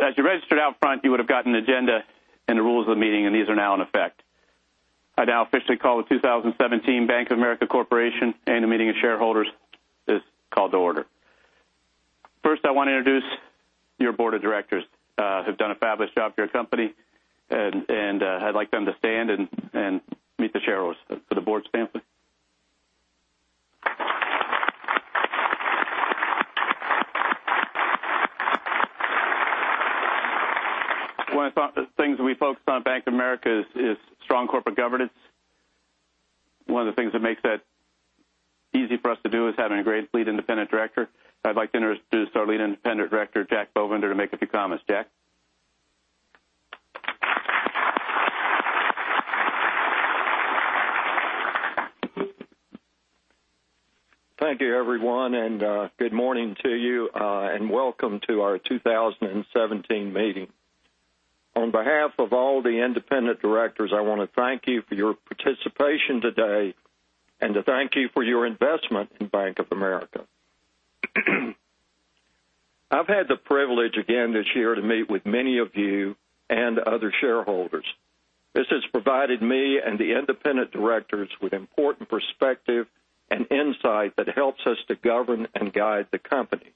As you registered out front, you would've gotten an agenda and the rules of the meeting, and these are now in effect. I now officially call the 2017 Bank of America Corporation Annual Meeting of Shareholders is called to order. First, I want to introduce your board of directors, who've done a fabulous job for your company, and I'd like them to stand and meet the shareholders. Could the board stand, please? One of the things we focused on at Bank of America is strong corporate governance. One of the things that makes that easy for us to do is having a great lead independent director. I'd like to introduce our lead independent director, Jack Bovender, to make a few comments. Jack? Thank you, everyone, good morning to you, and welcome to our 2017 meeting. On behalf of all the independent directors, I want to thank you for your participation today and to thank you for your investment in Bank of America. I've had the privilege again this year to meet with many of you and other shareholders. This has provided me and the independent directors with important perspective and insight that helps us to govern and guide the company.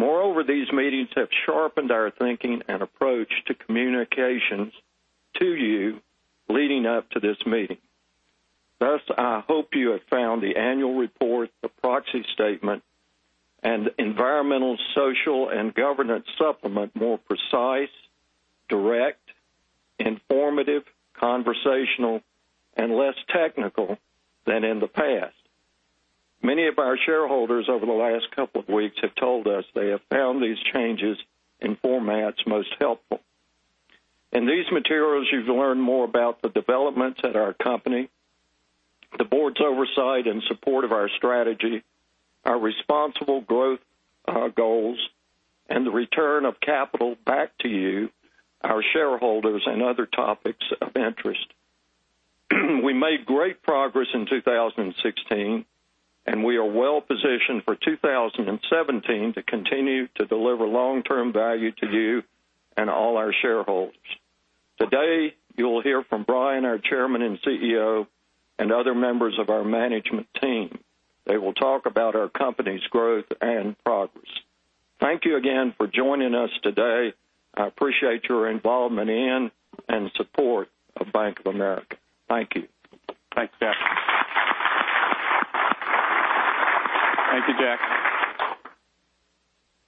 Moreover, these meetings have sharpened our thinking and approach to communications to you leading up to this meeting. Thus, I hope you have found the annual report, the proxy statement, and environmental, social, and governance supplement more precise, direct, informative, conversational, and less technical than in the past. Many of our shareholders over the last couple of weeks have told us they have found these changes in formats most helpful. In these materials, you've learned more about the developments at our company, the board's oversight and support of our strategy, our responsible growth, our goals, and the return of capital back to you, our shareholders, and other topics of interest. We made great progress in 2016, we are well-positioned for 2017 to continue to deliver long-term value to you and all our shareholders. Today, you'll hear from Brian, our chairman and CEO, and other members of our management team. They will talk about our company's growth and progress. Thank you again for joining us today. I appreciate your involvement in and support of Bank of America. Thank you. Thanks, Jack. Thank you, Jack.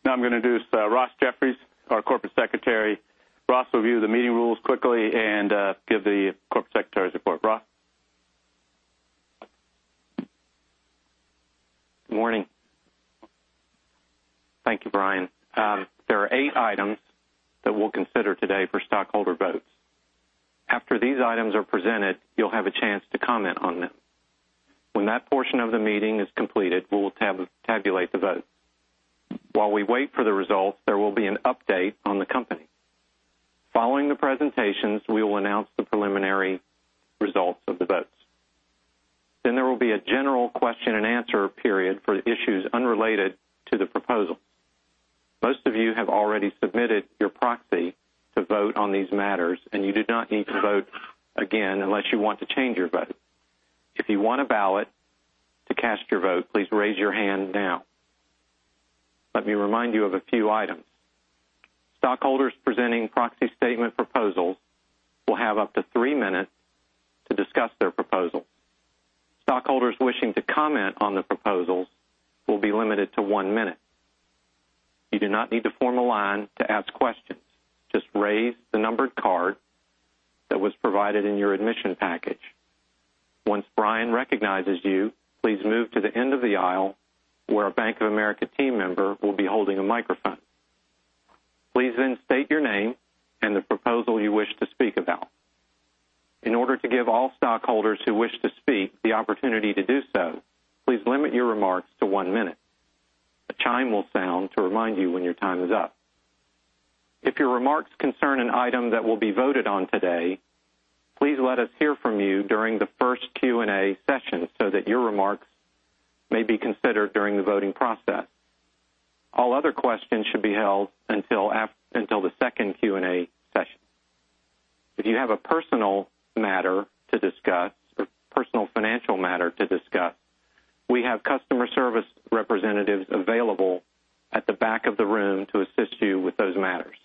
Now I'm going to introduce Ross Jeffries, our corporate secretary. Ross will review the meeting rules quickly and give the corporate secretary's report. Ross? Morning. Thank you, Brian. There are eight items that we'll consider today for stockholder votes. After these items are presented, you'll have a chance to comment on them. When that portion of the meeting is completed, we will tabulate the votes. While we wait for the results, there will be an update on the company. Following the presentations, we will announce the preliminary results of the votes. There will be a general question and answer period for issues unrelated to the proposal. Most of you have already submitted your proxy to vote on these matters, and you do not need to vote again unless you want to change your vote. If you want a ballot to cast your vote, please raise your hand now. Let me remind you of a few items. Stockholders presenting proxy statement proposals will have up to three minutes to discuss their proposal. Stockholders wishing to comment on the proposals will be limited to one minute. You do not need to form a line to ask questions. Just raise the numbered card that was provided in your admission package. Once Brian recognizes you, please move to the end of the aisle where a Bank of America team member will be holding a microphone. Please then state your name and the proposal you wish to speak about. In order to give all stockholders who wish to speak the opportunity to do so, please limit your remarks to one minute. A chime will sound to remind you when your time is up. If your remarks concern an item that will be voted on today, please let us hear from you during the first Q&A session so that your remarks may be considered during the voting process. All other questions should be held until the second Q&A session. If you have a personal matter to discuss or personal financial matter to discuss, we have customer service representatives available at the back of the room to assist you with those matters.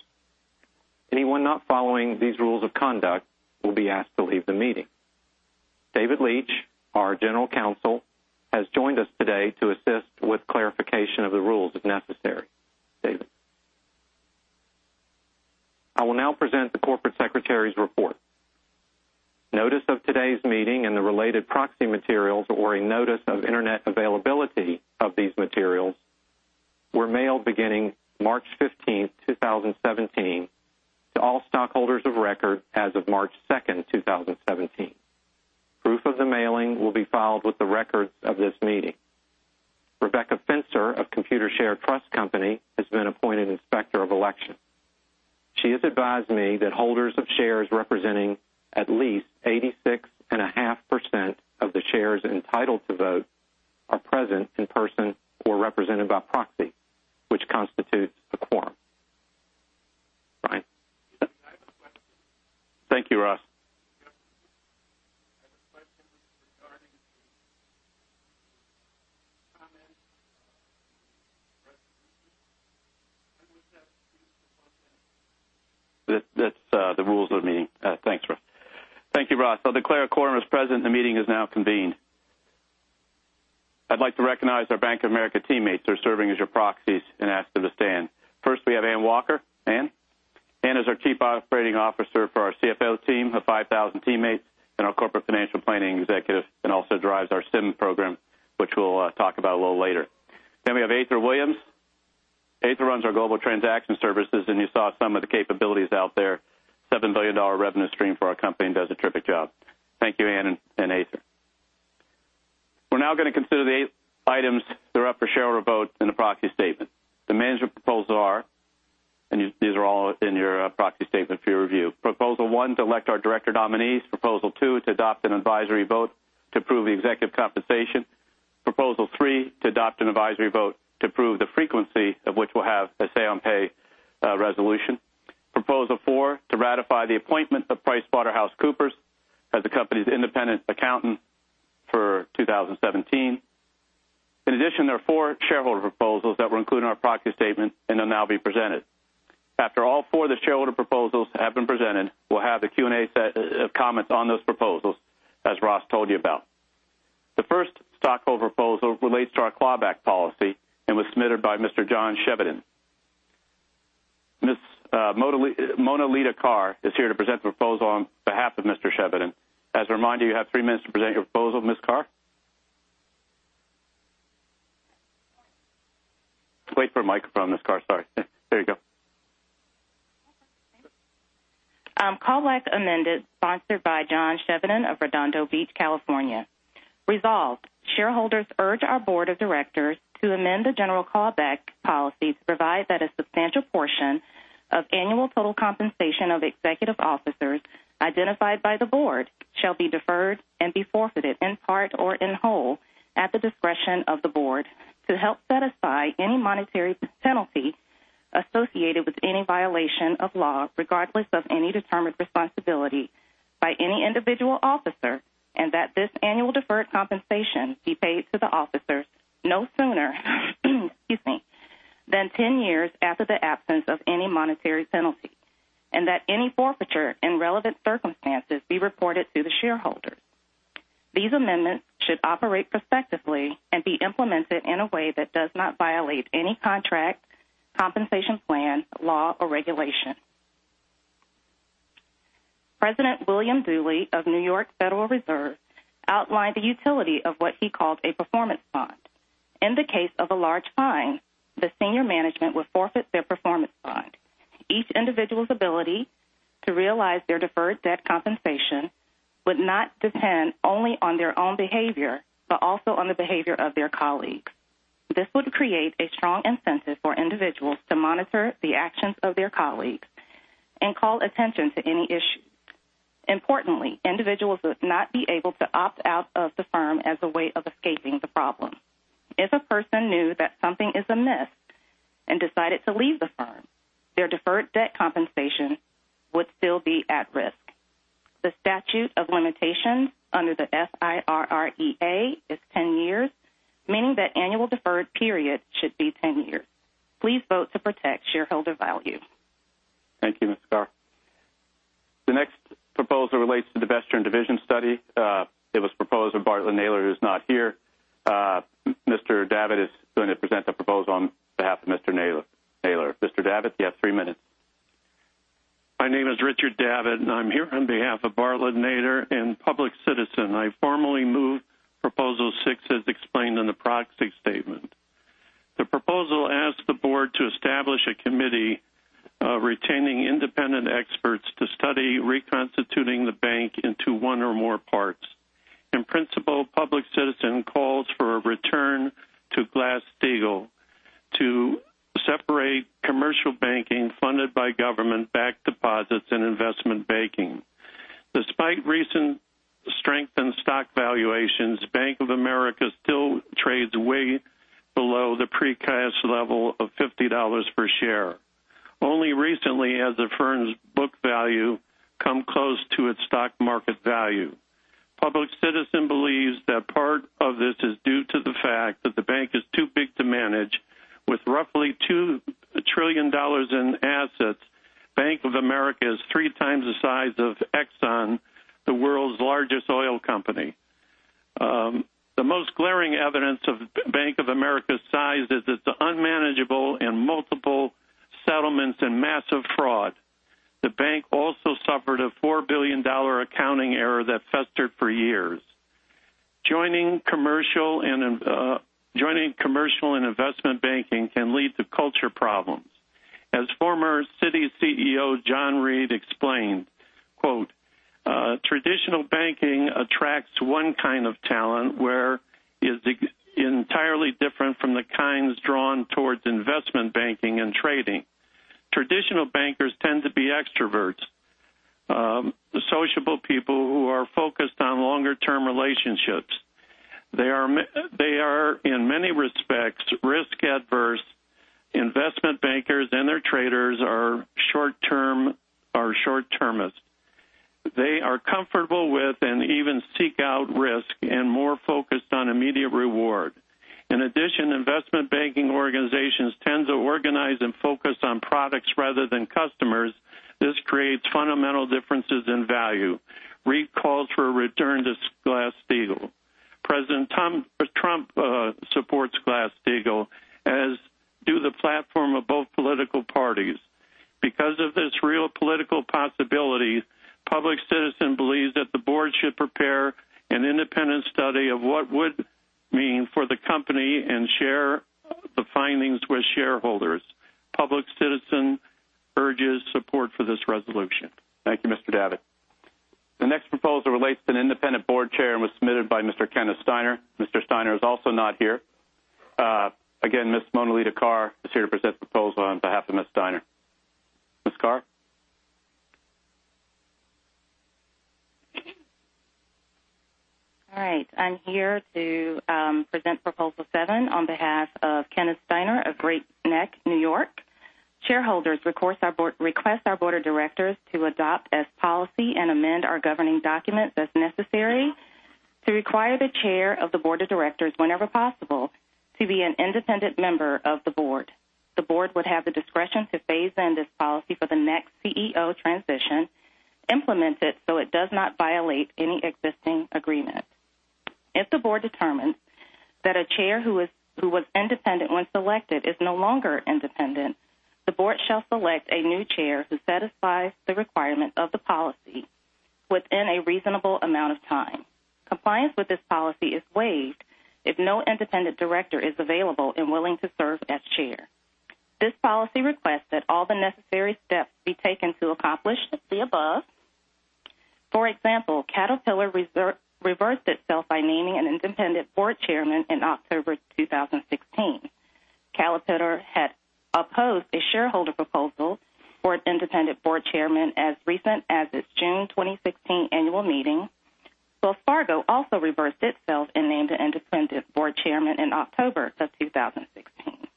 Anyone not following these rules of conduct will be asked to leave the meeting. David Leitch, our general counsel, has joined us today to assist with clarification of the rules if necessary. David? I will now present the corporate secretary's report. Notice of today's meeting and the related proxy materials, or a notice of internet availability of these materials, were mailed beginning March 15th, 2017, to all stockholders of record as of March 2nd, 2017. Proof of the mailing will be filed with the records of this meeting. Rebecca Finser of Computershare Trust Company has been appointed Inspector of Election. She has advised me that holders of shares representing at least 86.5% of the shares entitled to vote are present in person or represented by proxy, which constitutes a quorum. Brian? I have a question. Thank you, Ross. I have a question regarding the comments of the resolution, was that read for content? That's the rules of the meeting. Thanks, Ross. Thank you, Ross. I'll declare a quorum is present. The meeting is now convened. I'd like to recognize our Bank of America teammates who are serving as your proxies and ask them to stand. First, we have Anne Walker. Anne? Anne is our Chief Operating Officer for our CFO team of 5,000 teammates and our corporate financial planning executive, also drives our SIM Program, which we'll talk about a little later. We have Ather Williams. Ather runs our Global Transaction Services, and you saw some of the capabilities out there, a $7 billion revenue stream for our company, does a terrific job. Thank you, Anne and Ather. We're now going to consider the eight items that are up for shareholder vote in the proxy statement. The management proposals are, these are all in your proxy statement for your review. Proposal one, to elect our director nominees. Proposal two, to adopt an advisory vote to approve the executive compensation. Proposal three, to adopt an advisory vote to approve the frequency of which we'll have a say on pay resolution. Proposal four, to ratify the appointment of PricewaterhouseCoopers as the company's independent accountant for 2017. There are four shareholder proposals that were included in our proxy statement and will now be presented. After all four of the shareholder proposals have been presented, we'll have the Q&A set of comments on those proposals, as Ross told you about. The first stockholder proposal relates to our clawback policy and was submitted by Mr. John Chevedden. Ms. Monalita Carr is here to present the proposal on behalf of Mr. Chevedden. As a reminder, you have 3 minutes to present your proposal, Ms. Carr. Wait for a microphone, Ms. Carr. Sorry. There you go. Okay. Thank you. Clawback amended, sponsored by John Chevedden of Redondo Beach, California. Resolved, shareholders urge our board of directors to amend the general clawback policy to provide that a substantial portion of annual total compensation of executive officers identified by the board shall be deferred and be forfeited in part or in whole at the discretion of the board to help satisfy any monetary penalty associated with any violation of law, regardless of any determined responsibility by any individual officer, and that this annual deferred compensation be paid to the officers no sooner, excuse me, than 10 years after the absence of any monetary penalty, and that any forfeiture in relevant circumstances be reported to the shareholders. These amendments should operate prospectively and be implemented in a way that does not violate any contract, compensation plan, law, or regulation. President William Dudley of New York Federal Reserve outlined the utility of what he called a performance bond. In the case of a large fine, the senior management would forfeit their performance bond. Each individual's ability to realize their deferred debt compensation would not depend only on their own behavior, but also on the behavior of their colleagues. This would create a strong incentive for individuals to monitor the actions of their colleagues and call attention to any issue. Individuals would not be able to opt out of the firm as a way of escaping the problem. If a person knew that something is amiss and decided to leave the firm, their deferred debt compensation would still be at risk. The statute of limitations under the FIRREA is 10 years, meaning that annual deferred period should be 10 years. Please vote to protect shareholder value. Thank you, Ms. Carr. The next proposal relates to the Western Division study. It was proposed by Bartlett Naylor, who's not here. Mr. Davitt is going to present the proposal on behalf of Mr. Naylor. Mr. Davitt, you have three minutes. My name is Richard Davitt, I'm here on behalf of Bartlett Naylor and Public Citizen. I formally move Proposal Six as explained in the proxy statement. The proposal asks the board to establish a committee, retaining independent experts to study reconstituting the bank into one or more parts. In principle, Public Citizen calls for a return to Glass-Steagall to separate commercial banking funded by government-backed deposits and investment banking. Despite recent strength in stock valuations, Bank of America still trades way below the pre-crisis level of $50 per share. Only recently has the firm's book value come close to its stock market value. Public Citizen believes that part of this is due to the fact that the bank is too big to manage. With roughly $2 trillion in assets, Bank of America is three times the size of Exxon, the world's largest oil company. The most glaring evidence of Bank of America's size is its unmanageable and multiple settlements and massive fraud. The bank also suffered a $4 billion accounting error that festered for years. Joining commercial and investment banking can lead to culture problems. As former Citi CEO John Reed explained, quote Traditional banking attracts one kind of talent, where it is entirely different from the kinds drawn towards investment banking and trading. Traditional bankers tend to be extroverts, sociable people who are focused on longer-term relationships. They are, in many respects, risk-averse. Investment bankers and their traders are short-termist. They are comfortable with, and even seek out risk and more focused on immediate reward. In addition, investment banking organizations tend to organize and focus on products rather than customers. This creates fundamental differences in value. REAP calls for a return to Glass-Steagall. President Trump supports Glass-Steagall, as do the platform of both political parties. Because of this real political possibility, Public Citizen believes that the board should prepare an independent study of what would mean for the company and share the findings with shareholders. Public Citizen urges support for this resolution. Thank you, Mr. Davitt. The next proposal relates to an independent board chair and was submitted by Mr. Kenneth Steiner. Mr. Steiner is also not here. Again, Ms. Monalita Carr is here to present the proposal on behalf of Mr. Steiner. Ms. Carr? All right. I'm here to present proposal seven on behalf of Kenneth Steiner of Great Neck, New York. Shareholders request our board of directors to adopt as policy and amend our governing documents as necessary to require the chair of the board of directors, whenever possible, to be an independent member of the board. The board would have the discretion to phase in this policy for the next CEO transition, implement it so it does not violate any existing agreement. If the board determines that a chair who was independent when selected is no longer independent, the board shall select a new chair who satisfies the requirement of the policy within a reasonable amount of time. Compliance with this policy is waived if no independent director is available and willing to serve as chair. This policy requests that all the necessary steps be taken to accomplish the above. For example, Caterpillar reversed itself by naming an independent board chairman in October 2016. Caterpillar had opposed a shareholder proposal for an independent board chairman as recent as its June 2016 annual meeting. Wells Fargo also reversed itself and named an independent board chairman in October of 2016.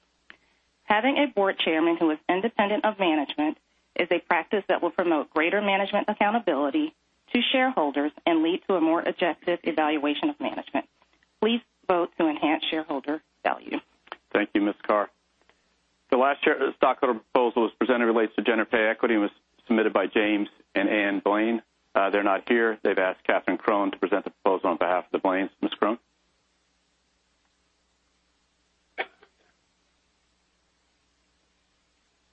Having a board chairman who is independent of management is a practice that will promote greater management accountability to shareholders and lead to a more objective evaluation of management. Please vote to enhance shareholder value. Thank you, Ms. Carr. The last stockholder proposal that was presented relates to gender pay equity and was submitted by James and Anne Blaine. They're not here. They've asked Katherine Crone to present the proposal on behalf of the Blaines. Ms. Crone?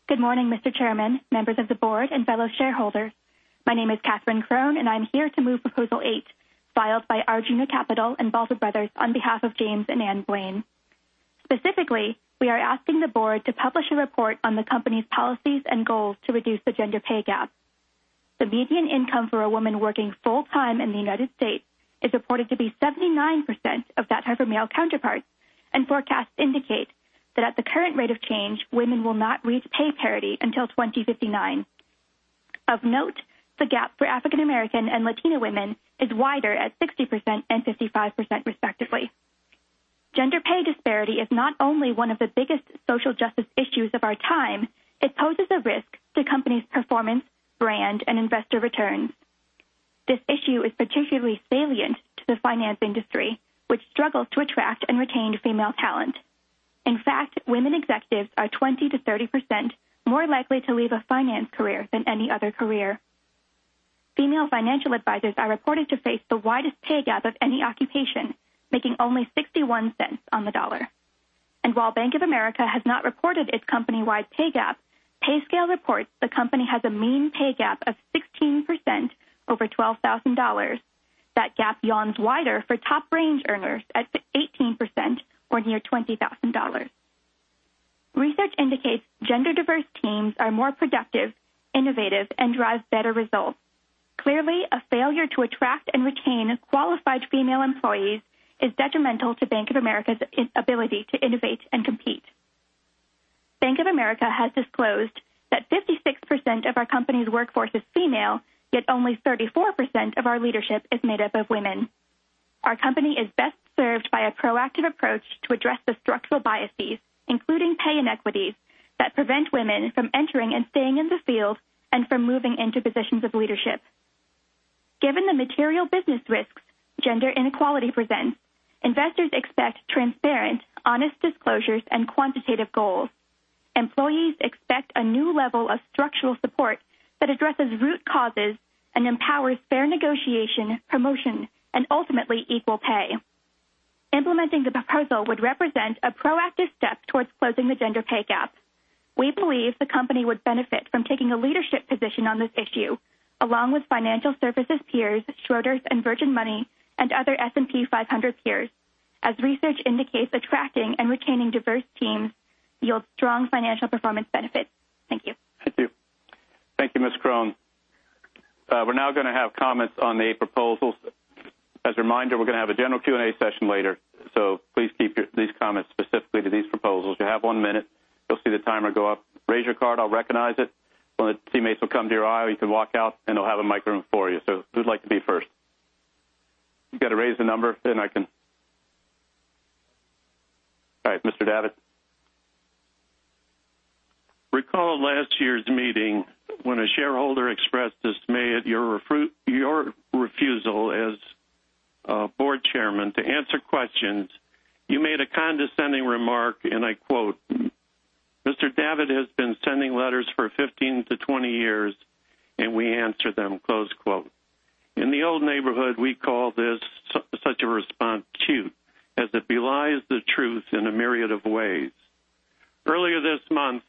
Good morning, Mr. Chairman, members of the board, and fellow shareholders. My name is Katherine Crone, and I'm here to move proposal eight, filed by Arjuna Capital and Baldwin Brothers on behalf of James and Anne Blaine. Specifically, we are asking the board to publish a report on the company's policies and goals to reduce the gender pay gap. The median income for a woman working full time in the U.S. is reported to be 79% of that of her male counterparts. Forecasts indicate that at the current rate of change, women will not reach pay parity until 2059. Of note, the gap for African American and Latina women is wider at 60% and 55% respectively. Gender pay disparity is not only one of the biggest social justice issues of our time, it poses a risk to companies' performance, brand, and investor returns. This issue is particularly salient to the finance industry, which struggles to attract and retain female talent. In fact, women executives are 20%-30% more likely to leave a finance career than any other career. Female financial advisors are reported to face the widest pay gap of any occupation, making only $0.61 on the dollar. While Bank of America has not reported its company-wide pay gap, PayScale reports the company has a mean pay gap of 16% over $12,000. That gap yawns wider for top-range earners at 18%, or near $20,000. Research indicates gender diverse teams are more productive, innovative, and drive better results. Clearly, a failure to attract and retain qualified female employees is detrimental to Bank of America's ability to innovate and compete. Bank of America has disclosed that 56% of our company's workforce is female, yet only 34% of our leadership is made up of women. Our company is best served by a proactive approach to address the structural biases, including pay inequities, that prevent women from entering and staying in the field and from moving into positions of leadership. Given the material business risks gender inequality presents, investors expect transparent, honest disclosures, and quantitative goals. Employees expect a new level of structural support that addresses root causes and empowers fair negotiation, promotion, and ultimately, equal pay. Implementing the proposal would represent a proactive step towards closing the gender pay gap. We believe the company would benefit from taking a leadership position on this issue, along with financial services peers, Schroders and Virgin Money, and other S&P 500 peers. Research indicates, attracting and retaining diverse teams yields strong financial performance benefits. Thank you. Thank you. Thank you, Ms. Crone. We're now going to have comments on the proposals. As a reminder, we're going to have a general Q&A session later, so please keep these comments specifically to these proposals. You have one minute. You'll see the timer go up. Raise your card, I'll recognize it. One of the teammates will come to your aisle, or you can walk out, and they'll have a microphone for you. Who'd like to be first? You got to raise the number. All right, Mr. Davitt. Recall last year's meeting when a shareholder expressed dismay at your refusal as board chairman to answer questions. You made a condescending remark, and I quote, "Mr. Davitt has been sending letters for 15 to 20 years, and we answer them." In the old neighborhood, we call such a response cute, as it belies the truth in a myriad of ways. Earlier this month,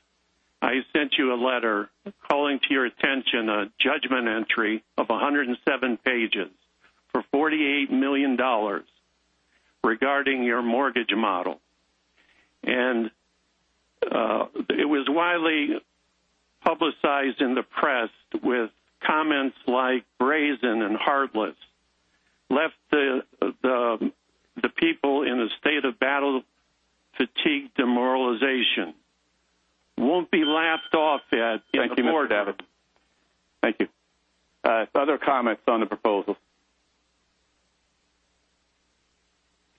I sent you a letter calling to your attention a judgment entry of 107 pages for $48 million regarding your mortgage model. It was widely publicized in the press with comments like brazen and heartless. Left the people in a state of battle fatigue demoralization. Won't be laughed off at- Thank you, Mr. Davitt. Thank you. Other comments on the proposal?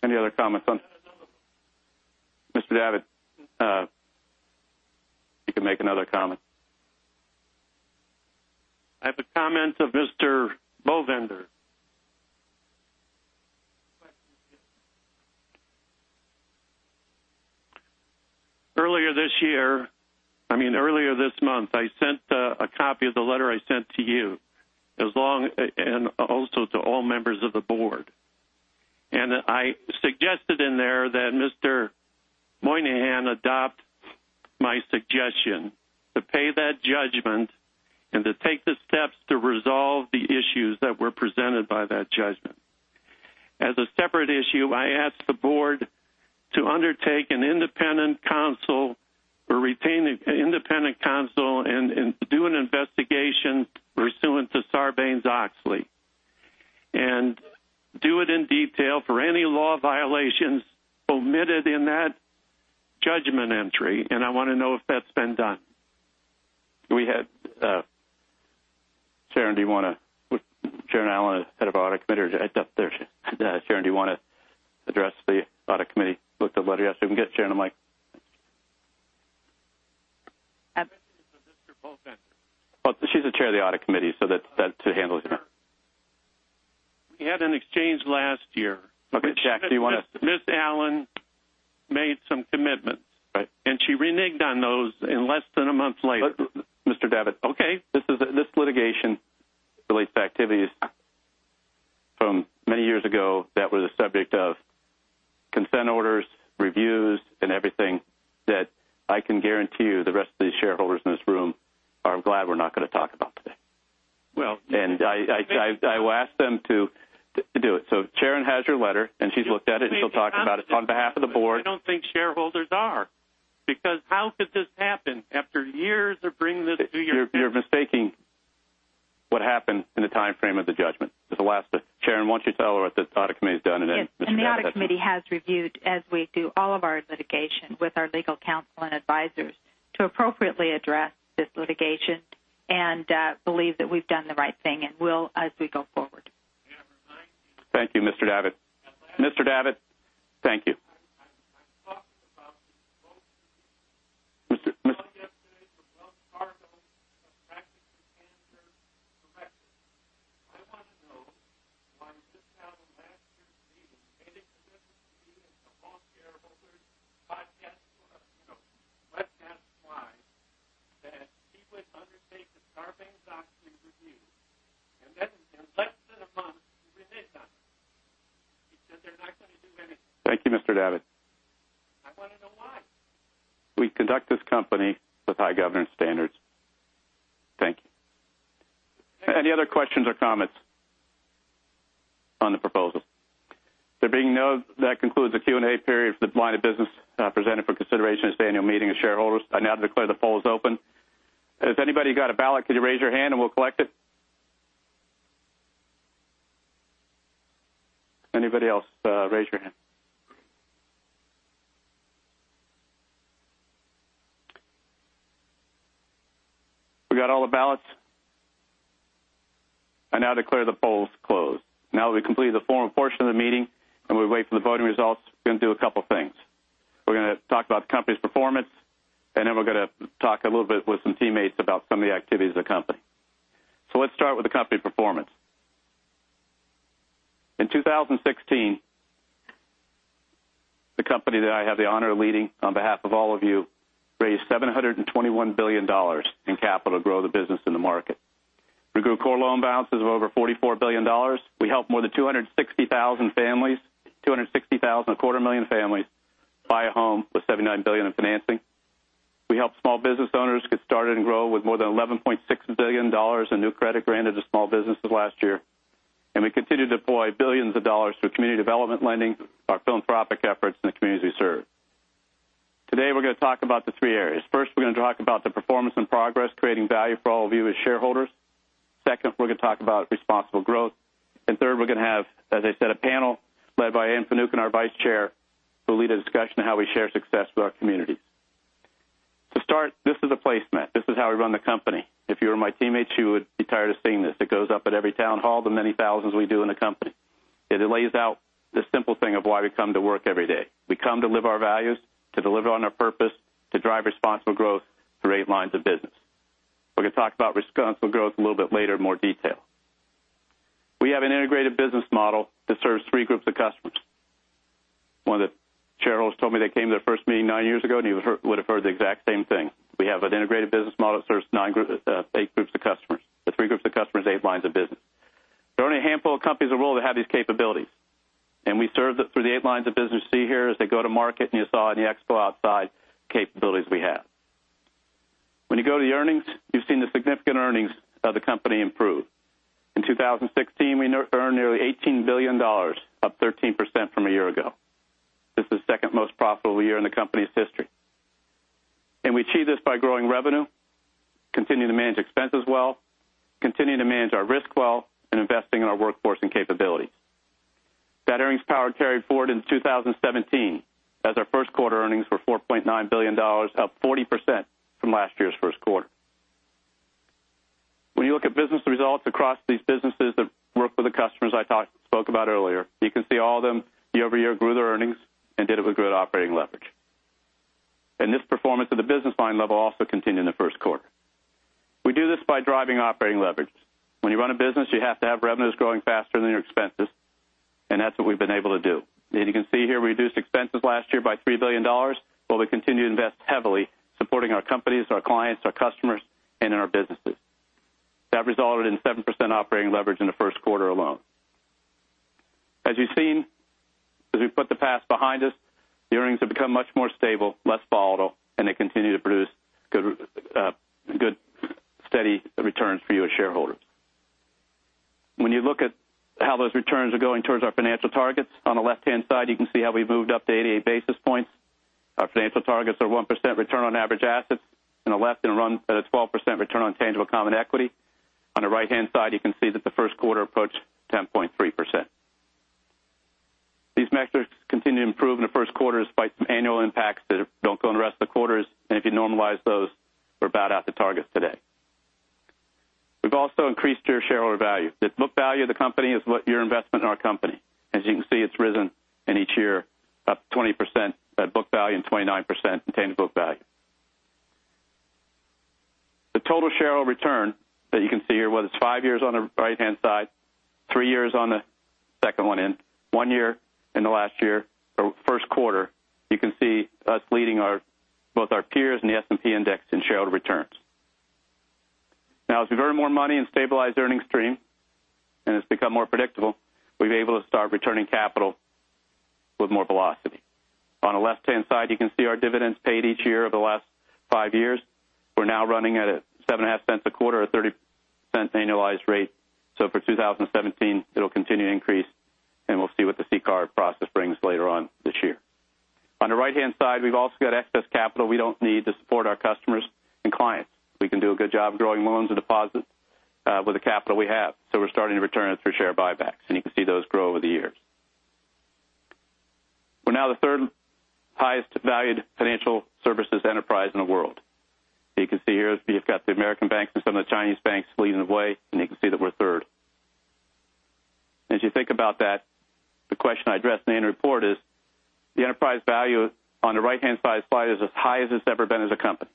Any other comments on- I have another one. Mr. Davitt, you can make another comment. I have a comment of Mr. Bovender. Question. Yeah. Earlier this year, I mean, earlier this month, I sent a copy of the letter I sent to you, also to all members of the board. I suggested in there that Mr. Moynihan adopt my suggestion to pay that judgment and to take the steps to resolve the issues that were presented by that judgment. As a separate issue, I asked the board to undertake an independent counsel or retain an independent counsel and do an investigation pursuant to Sarbanes-Oxley. Do it in detail for any law violations omitted in that judgment entry. I want to know if that's been done. Sharon, do you want to Sharon Allen is Head of Audit Committee. There she is. Sharon, do you want to address the Audit Committee, looked at letter? Yes, we can get Sharon a mic. I'm addressing it to Mr. Bovender. She's the chair of the Audit Committee, so that's to handle it. We had an exchange last year. Okay, Jack, do you want to- Ms. Allen made some commitments. Right. She reneged on those in less than a month later. Mr. Davitt. Okay. This litigation relates to activities from many years ago that were the subject of consent orders, reviews, and everything that I can guarantee you the rest of these shareholders in this room are glad we're not going to talk about today. Well- I will ask them to do it. Sharon has your letter, and she's looked at it, and she'll talk about it on behalf of the board. I don't think shareholders are, because how could this happen after years of bringing this to your attention? You're mistaking what happened in the timeframe of the judgment. Sharon, why don't you tell her what the Audit Committee has done. Yes. The Audit Committee has reviewed, as we do all of our litigation with our legal counsel and advisors, to appropriately address this litigation and believe that we've done the right thing and will as we go forward. May I remind you. Thank you, Mr. Davitt. Mr. Davitt, thank you. I'm talking about the. Mr.- Yesterday from Wells Fargo, [a practicing manager corrected]. I want to know why this happened last year's meeting, made a commitment to me and to all shareholders, podcast, let's ask why, that he would undertake the Sarbanes-Oxley review. In less than a month, he reneged on it. He said they're not going to do anything. Thank you, Mr. Davitt. I want to know why. We conduct this company with high governance standards. Thank you. Any other questions or comments on the proposal? There being none, that concludes the Q&A period for the line of business presented for consideration this annual meeting of shareholders. I now declare the poll is open. Has anybody got a ballot? Could you raise your hand and we'll collect it? Anybody else, raise your hand. We got all the ballots. I now declare the polls closed. Now that we completed the forum portion of the meeting and we wait for the voting results, we're going to do a couple of things. We're going to talk about the company's performance, then we're going to talk a little bit with some teammates about some of the activities of the company. Let's start with the company performance. In 2016, the company that I have the honor of leading on behalf of all of you, raised $721 billion in capital to grow the business in the market. We grew core loan balances of over $44 billion. We helped more than 260,000 families. 260,000, a quarter million families, buy a home with $79 billion in financing. We help small business owners get started and grow with more than $11.6 billion in new credit granted to small businesses last year. We continue to deploy billions of dollars through community development lending, our philanthropic efforts in the communities we serve. Today, we're going to talk about the three areas. First, we're going to talk about the performance and progress creating value for all of you as shareholders. Second, we're going to talk about Responsible Growth. Third, we're going to have, as I said, a panel led by Anne Finucane, our Vice Chair, who will lead a discussion on how we share success with our communities. To start, this is a placement. This is how we run the company. If you were my teammate, you would be tired of seeing this. It goes up at every town hall, the many thousands we do in the company. It lays out the simple thing of why we come to work every day. We come to live our values, to deliver on our purpose, to drive responsible growth through eight lines of business. We're going to talk about responsible growth a little bit later in more detail. We have an integrated business model that serves three groups of customers. One of the shareholders told me they came to their first meeting nine years ago. You would have heard the exact same thing. We have an integrated business model that serves eight groups of customers, the three groups of customers, eight lines of business. There are only a handful of companies in the world that have these capabilities, and we serve them through the eight lines of business you see here as they go to market, and you saw in the expo outside capabilities we have. When you go to the earnings, you've seen the significant earnings of the company improve. In 2016, we earned nearly $18 billion, up 13% from a year ago. This is the second most profitable year in the company's history. We achieve this by growing revenue, continuing to manage expenses well, continuing to manage our risk well, and investing in our workforce and capabilities. That earnings power carried forward into 2017 as our first quarter earnings were $4.9 billion, up 40% from last year's first quarter. When you look at business results across these businesses that work with the customers I spoke about earlier, you can see all of them year-over-year grew their earnings and did it with good operating leverage. This performance of the business line level also continued in the first quarter. We do this by driving operating leverage. When you run a business, you have to have revenues growing faster than your expenses, and that's what we've been able to do. You can see here, reduced expenses last year by $3 billion, while we continue to invest heavily supporting our companies, our clients, our customers, and in our businesses. That resulted in 7% operating leverage in the first quarter alone. As you've seen, as we put the past behind us, the earnings have become much more stable, less volatile, and they continue to produce good steady returns for you as shareholders. When you look at how those returns are going towards our financial targets, on the left-hand side, you can see how we've moved up to 88 basis points. Our financial targets are 1% return on average assets and a less than 12% return on tangible common equity. On the right-hand side, you can see that the first quarter approached 10.3%. These metrics continue to improve in the first quarter despite some annual impacts that don't go in the rest of the quarters. If you normalize those, we're about at the targets today. We've also increased your shareholder value. The book value of the company is your investment in our company. As you can see, it's risen in each year, up 20% by book value and 29% in tangible book value. The total shareholder return that you can see here, whether it's five years on the right-hand side, three years on the second one in, one year in the last year or first quarter, you can see us leading both our peers and the S&P index in shareholder returns. As we've earned more money and stabilized the earnings stream, and it's become more predictable, we've been able to start returning capital with more velocity. On the left-hand side, you can see our dividends paid each year over the last five years. We're now running at $0.075 a quarter at a 30% annualized rate. For 2017, it'll continue to increase, and we'll see what the CCAR process brings later on this year. On the right-hand side, we've also got excess capital we don't need to support our customers and clients. We can do a good job growing loans and deposits with the capital we have, we're starting to return it through share buybacks, and you can see those grow over the years. We're now the third highest valued financial services enterprise in the world. You can see here you've got the American banks and some of the Chinese banks leading the way, and you can see that we're third. As you think about that, the question I addressed in the annual report is the enterprise value on the right-hand side slide is as high as it's ever been as a company.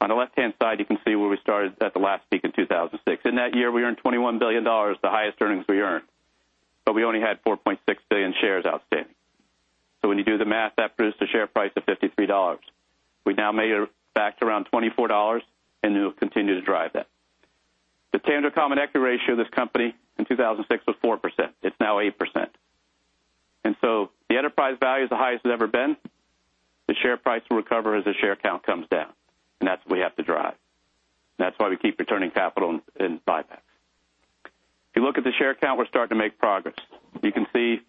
On the left-hand side, you can see where we started at the last peak in 2006. In that year, we earned $21 billion, the highest earnings we earned. When you do the math, that produced a share price of $53. We now made it back to around $24, and we'll continue to drive that. The tangible common equity ratio of this company in 2006 was 4%. It's now 8%. The enterprise value is the highest it's ever been. The share price will recover as the share count comes down, and that's what we have to drive. That's why we keep returning capital in buybacks. If you look at the share count, we're starting to make progress. You can see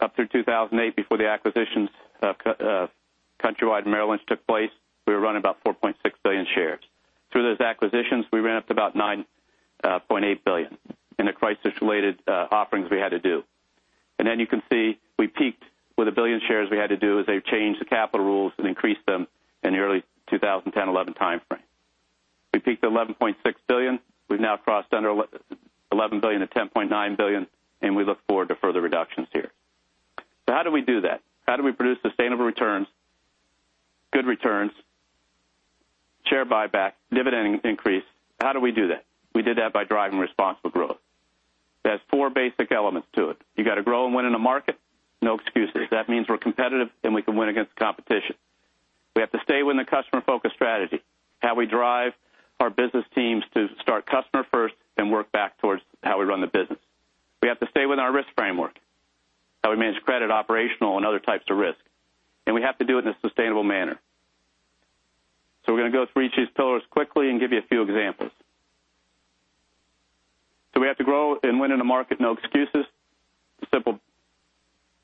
up through 2008, before the acquisitions of Countrywide and Merrill Lynch took place, we were running about 4.6 billion shares. Through those acquisitions, we ran up to about 9.8 billion in the crisis-related offerings we had to do. You can see we peaked with a billion shares we had to do as they changed the capital rules and increased them in the early 2010-2011 timeframe. We peaked at 11.6 billion. We've now crossed under 11 billion to 10.9 billion, and we look forward to further reductions here. How do we do that? How do we produce sustainable returns, good returns, share buyback, dividend increase? How do we do that? We did that by driving responsible growth. There's four basic elements to it. You got to grow and win in the market, no excuses. That means we're competitive. We can win against the competition. We have to stay within the customer-focused strategy, how we drive our business teams to stay within our risk framework. How we manage credit, operational, and other types of risk. We have to do it in a sustainable manner. We're going to go through each of these pillars quickly and give you a few examples. We have to grow and win in the market, no excuses. A simple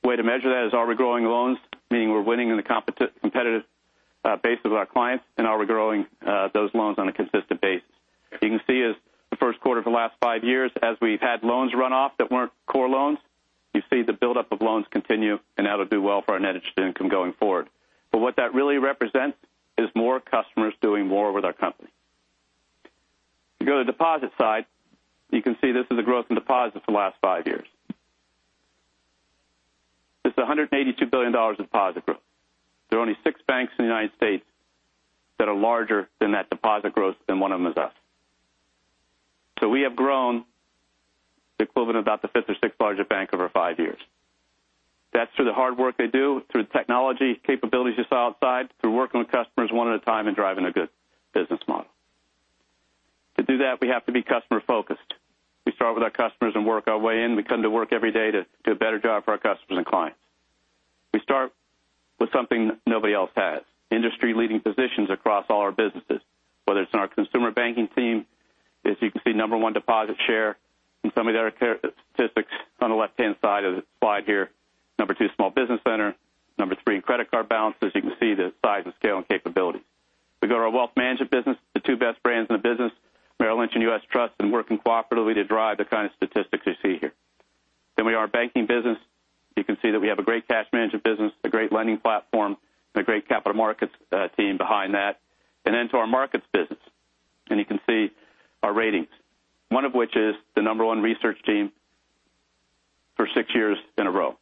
way to measure that is are we growing loans, meaning we're winning in the competitive base of our clients, and are we growing those loans on a consistent basis? You can see as the first quarter for the last five years, as we've had loans run off that weren't core loans, that'll do well for our net interest income going forward. What that really represents is more customers doing more with our company. If you go to the deposit side, you can see this is the growth in deposits for the last five years. This is $182 billion in deposit growth. There are only six banks in the U.S. that are larger than that deposit growth, and one of them is us. We have grown the equivalent of about the fifth or sixth largest bank over five years. That's through the hard work they do, through the technology capabilities you saw outside, through working with customers one at a time, and driving a good business model. To do that, we have to be customer-focused. We start with our customers and work our way in. We come to work every day to do a better job for our customers and clients. We start with something nobody else has, industry-leading positions across all our businesses, whether it's in our consumer banking team, as you can see, number 1 deposit share, and some of the other statistics on the left-hand side of the slide here. Number 2, small business lender. Number 3, in credit card balances. You can see the size and scale, and capability. If we go to our wealth management business, the two best brands in the business, Merrill Lynch and U.S. Trust, working cooperatively to drive the kind of statistics you see here. We have our banking business. You can see that we have a great cash management business, a great lending platform, and a great capital markets team behind that. To our markets business. You can see our ratings. One of which is the number 1 research team for six years in a row.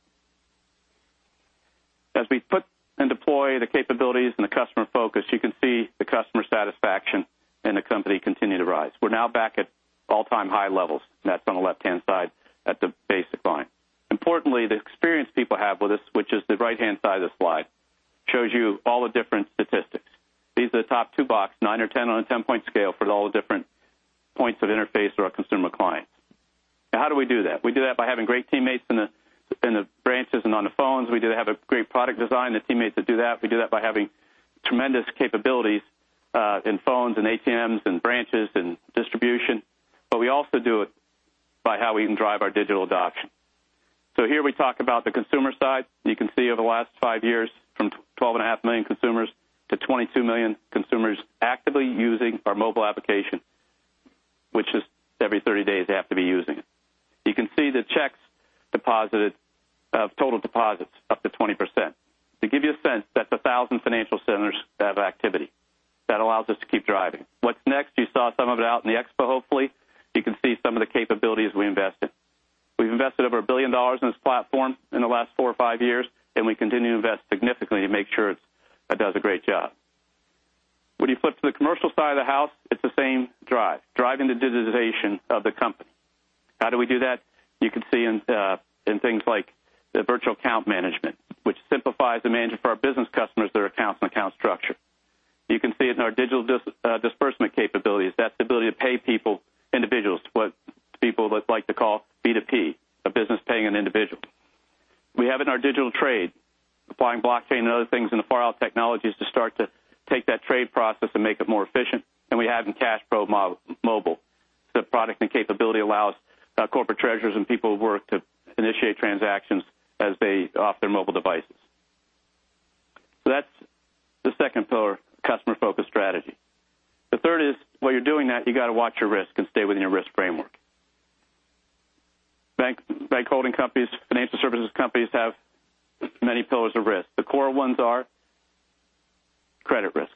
As we put and deploy the capabilities and the customer focus, you can see the customer satisfaction in the company continue to rise. We're now back at all-time high levels. That's on the left-hand side at the basic line. Importantly, the experience people have with us, which is the right-hand side of the slide, shows you all the different statistics. These are the top two box, nine or 10 on a 10-point scale for all the different points of interface for our consumer clients. Now how do we do that? We do that by having great teammates in the branches and on the phones. We do that by having great product design, the teammates that do that. We do that by having tremendous capabilities in phones and ATMs and branches and distribution. We also do it by how we can drive our digital adoption. Here we talk about the consumer side. You can see over the last five years, from 12.5 million consumers to 22 million consumers actively using our mobile application. Which is every 30 days, they have to be using it. You can see the checks deposited of total deposits up to 20%. To give you a sense, that's 1,000 financial centers that have activity. That allows us to keep driving. What's next? You saw some of it out in the expo, hopefully. You can see some of the capabilities we invest in. We've invested over $1 billion in this platform in the last four or five years, and we continue to invest significantly to make sure it does a great job. When you flip to the commercial side of the house, it's the same drive. Driving the digitization of the company. How do we do that? You can see in things like the Virtual Account Management, which simplifies the management for our business customers, their accounts, and account structure. You can see it in our digital disbursement capabilities. That's the ability to pay people, individuals, what people like to call B2P, a business paying an individual. We have it in our Digital Trade. Applying blockchain and other things in the far-out technologies to start to take that trade process and make it more efficient than we have in CashPro Mobile. The product and capability allows our corporate treasurers and people who work to initiate transactions off their mobile devices. That's the second pillar, customer-focused strategy. The third is while you're doing that, you got to watch your risk and stay within your risk framework. Bank holding companies, financial services companies have many pillars of risk. The core ones are credit risk.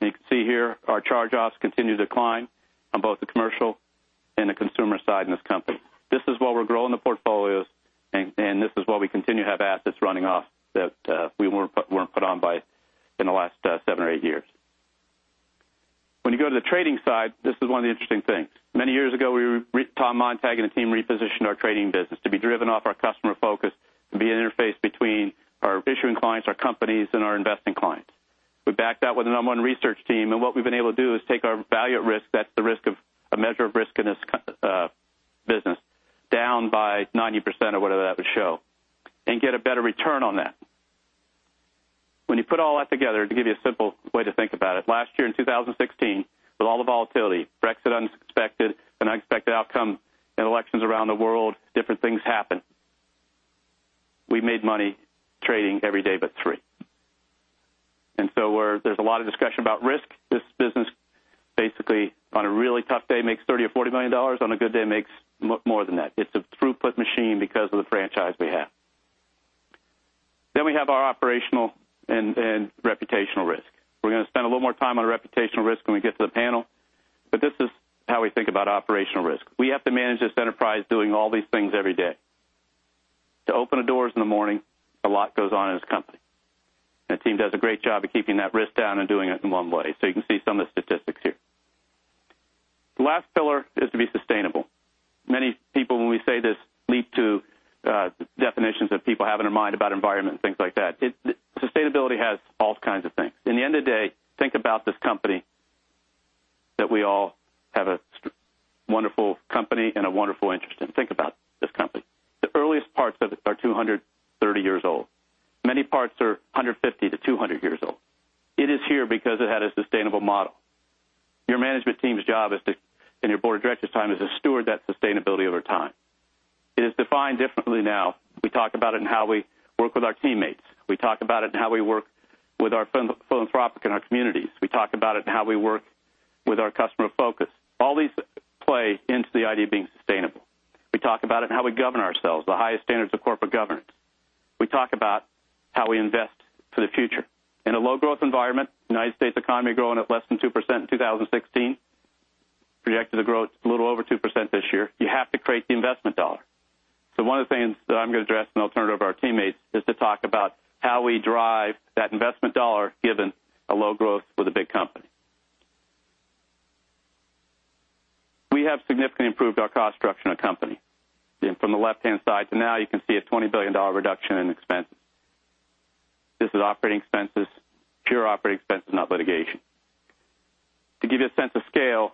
You can see here our charge-offs continue to decline on both the commercial and the consumer side in this company. This is while we're growing the portfolios, and this is while we continue to have assets running off that weren't put on in the last seven or eight years. When you go to the trading side, this is one of the interesting things. Many years ago, Tom Montag and the team repositioned our trading business to be driven off our customer focus and be an interface between our issuing clients, our companies, and our investing clients. We backed that with the number one research team, and what we've been able to do is take our value at risk, that's the risk of a measure of risk in this business, down by 90% or whatever that would show, and get a better return on that. When you put all that together, to give you a simple way to think about it, last year in 2016, with all the volatility, Brexit unexpected, an unexpected outcome in elections around the world, different things happened. We made money trading every day but three. Where there's a lot of discussion about risk, this business basically on a really tough day makes $30 or $40 million. We have our operational and reputational risk. We're going to spend a little more time on reputational risk when we get to the panel. This is how we think about operational risk. We have to manage this enterprise doing all these things every day. To open the doors in the morning, a lot goes on in this company. That team does a great job of keeping that risk down and doing it in one way. You can see some of the statistics here. The last pillar is to be sustainable. Many people, when we say this, leap to definitions that people have in their mind about environment and things like that. In the end of the day, think about this company, that we all have a wonderful company and a wonderful interest in. Think about this company. The earliest parts of it are 230 years old. Many parts are 150 to 200 years old. It is here because it had a sustainable model. Your management team's job is to, and your board of directors time is to steward that sustainability over time. It is defined differently now. We talk about it in how we work with our teammates. We talk about it in how we work with our philanthropic and our communities. We talk about it in how we work with our customer focus. All these play into the idea of being sustainable. We talk about it in how we govern ourselves, the highest standards of corporate governance. We talk about how we invest for the future. In a low growth environment, U.S. economy growing at less than 2% in 2016, projected to grow a little over 2% this year, you have to create the investment dollar. One of the things that I'm going to address when I turn it over to our teammates is to talk about how we drive that investment dollar, given a low growth with a big company. We have significantly improved our cost structure in our company. From the left-hand side to now, you can see a $20 billion reduction in expenses. This is operating expenses, pure operating expenses, not litigation. To give you a sense of scale,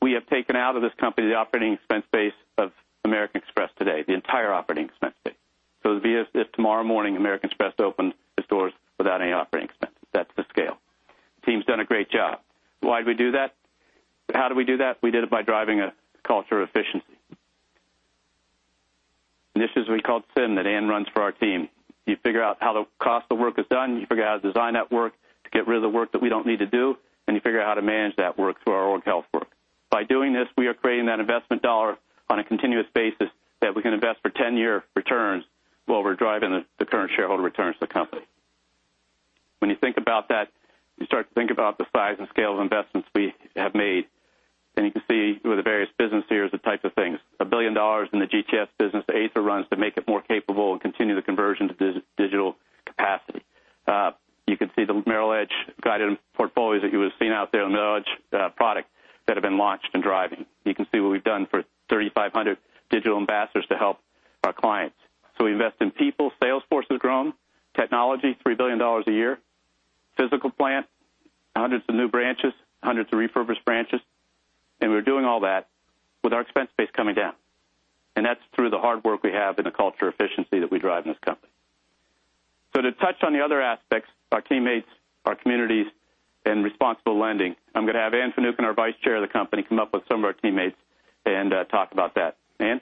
we have taken out of this company the operating expense base of American Express today, the entire operating expense base. It would be as if tomorrow morning American Express opened its doors without any operating expenses. That's the scale. Team's done a great job. Why'd we do that? How did we do that? We did it by driving a culture of efficiency. This is what we call SIM that Anne runs for our team. You figure out how the cost of work is done, you figure out how to design that work to get rid of the work that we don't need to do, and you figure out how to manage that work through our org health work. By doing this, we are creating that investment dollar on a continuous basis that we can invest for 10-year returns while we're driving the current shareholder returns to the company. When you think about that, you start to think about the size and scale of investments we have made, and you can see with the various business here is the type of things. $1 billion in the GTS business that Ather runs to make it more capable and continue the conversion to digital capacity. You can see the Merrill Edge guided portfolios that you would have seen out there on the Edge product that have been launched and driving. You can see what we've done for 3,500 digital ambassadors to help our clients. We invest in people, sales force has grown, technology, $3 billion a year, physical plant, hundreds of new branches, hundreds of refurbished branches, and we're doing all that with our expense base coming down. That's through the hard work we have and the culture of efficiency that we drive in this company. To touch on the other aspects, our teammates, our communities, and responsible lending, I'm going to have Anne Finucane, our Vice Chair of the company, come up with some of our teammates and talk about that. Anne?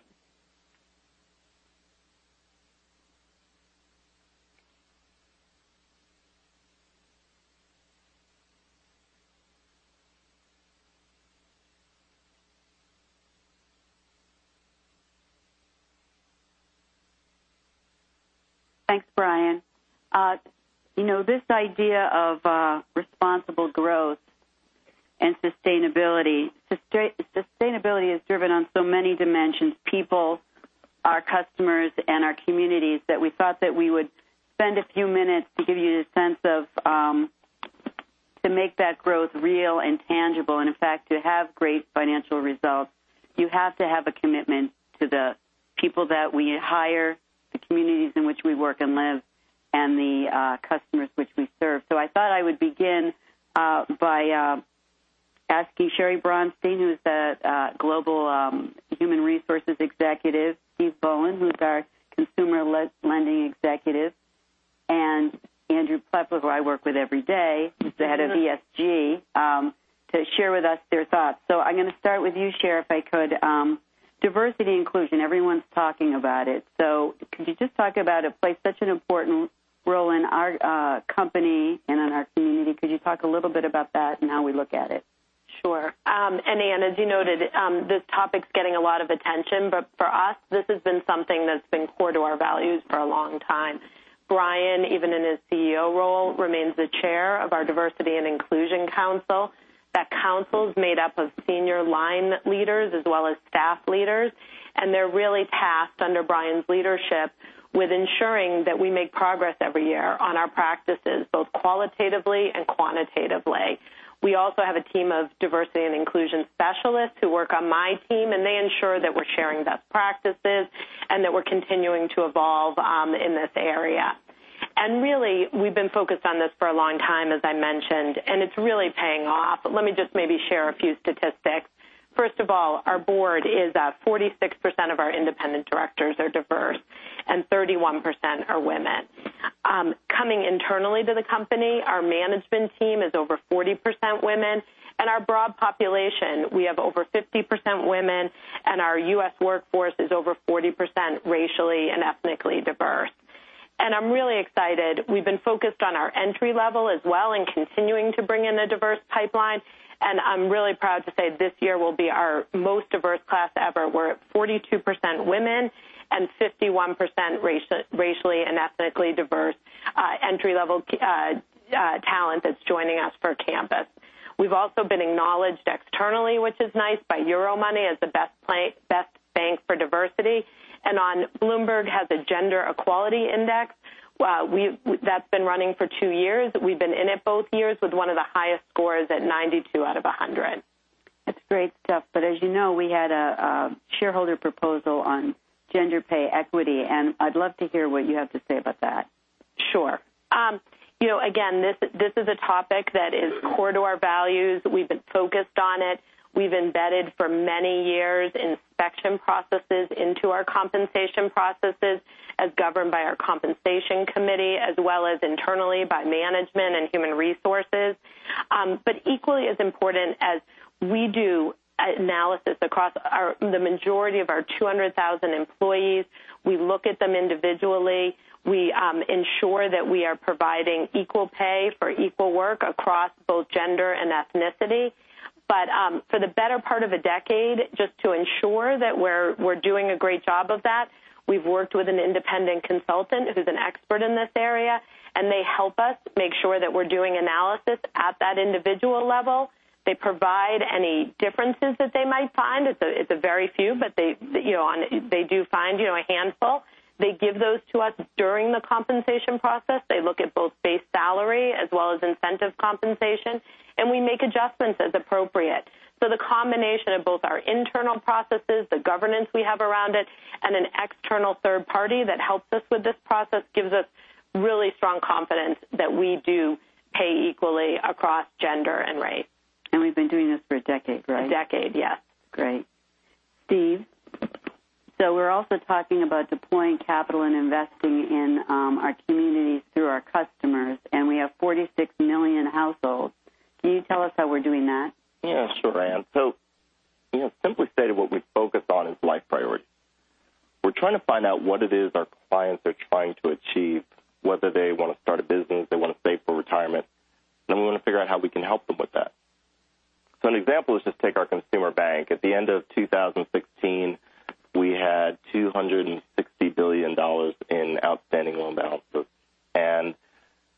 Thanks, Brian. This idea of responsible growth and sustainability. Sustainability is driven on so many dimensions, people, our customers, and our communities, that we thought that we would spend a few minutes to give you the sense of, to make that growth real and tangible, and in fact, to have great financial results, you have to have a commitment to the people that we hire, the communities in which we work and live, and the customers which we serve. I thought I would begin by asking Sheri Bronstein, who's a Global Human Resources Executive, Keith Bowen, who's our Consumer Lending Executive, and Andrew Plepler, who I work with every day, who's the Head of ESG, to share with us their thoughts. I'm going to start with you, Sher, if I could. Diversity and inclusion, everyone's talking about it. Could you just talk about it plays such an important role in our company and in our community. Could you talk a little bit about that and how we look at it? Sure. Anne, as you noted, this topic's getting a lot of attention. For us, this has been something that's been core to our values for a long time. Brian, even in his CEO role, remains the chair of our Diversity and Inclusion Council. That council's made up of senior line leaders as well as staff leaders. They're really tasked under Brian's leadership with ensuring that we make progress every year on our practices, both qualitatively and quantitatively. We also have a team of diversity and inclusion specialists who work on my team, and they ensure that we're sharing best practices and that we're continuing to evolve in this area. Really, we've been focused on this for a long time, as I mentioned, and it's really paying off. Let me just maybe share a few statistics. First of all, our board is 46% of our independent directors are diverse, and 31% are women. Coming internally to the company, our management team is over 40% women, and our broad population, we have over 50% women, and our U.S. workforce is over 40% racially and ethnically diverse. I'm really excited. We've been focused on our entry level as well and continuing to bring in a diverse pipeline. I'm really proud to say this year will be our most diverse class ever. We're at 42% women and 51% racially and ethnically diverse entry-level talent that's joining us for campus. We've also been acknowledged externally, which is nice, by Euromoney as the best bank for diversity. On Bloomberg has a Gender Equality Index. That's been running for two years. We've been in it both years with one of the highest scores at 92 out of 100. It's great stuff. As you know, we had a shareholder proposal on gender pay equity, and I'd love to hear what you have to say about that. Sure. Again, this is a topic that is core to our values. We've been focused on it. We've embedded for many years inspection processes into our compensation processes as governed by our compensation committee as well as internally by management and human resources. Equally as important as we do analysis across the majority of our 200,000 employees, we look at them individually. We ensure that we are providing equal pay for equal work across both gender and ethnicity. For the better part of a decade, just to ensure that we're doing a great job of that, we've worked with an independent consultant who's an expert in this area, and they help us make sure that we're doing analysis at that individual level. They provide any differences that they might find. It's a very few, but they do find a handful. They give those to us during the compensation process. They look at both base salary as well as incentive compensation, and we make adjustments as appropriate. The combination of both our internal processes, the governance we have around it, and an external third party that helps us with this process gives us really strong confidence that we do pay equally across gender and race. We've been doing this for a decade, right? A decade, yes. Great. Keith, so we're also talking about deploying capital and investing in our communities through our customers, we have 46 million households. Can you tell us how we're doing that? Sure, Anne. Simply stated, what we focus on is life priority. We're trying to find out what it is our clients are trying to achieve, whether they want to start a business, they want to save for retirement. We want to figure out how we can help them with that. An example is just take our consumer bank. At the end of 2016, we had $260 billion in outstanding loan balances, and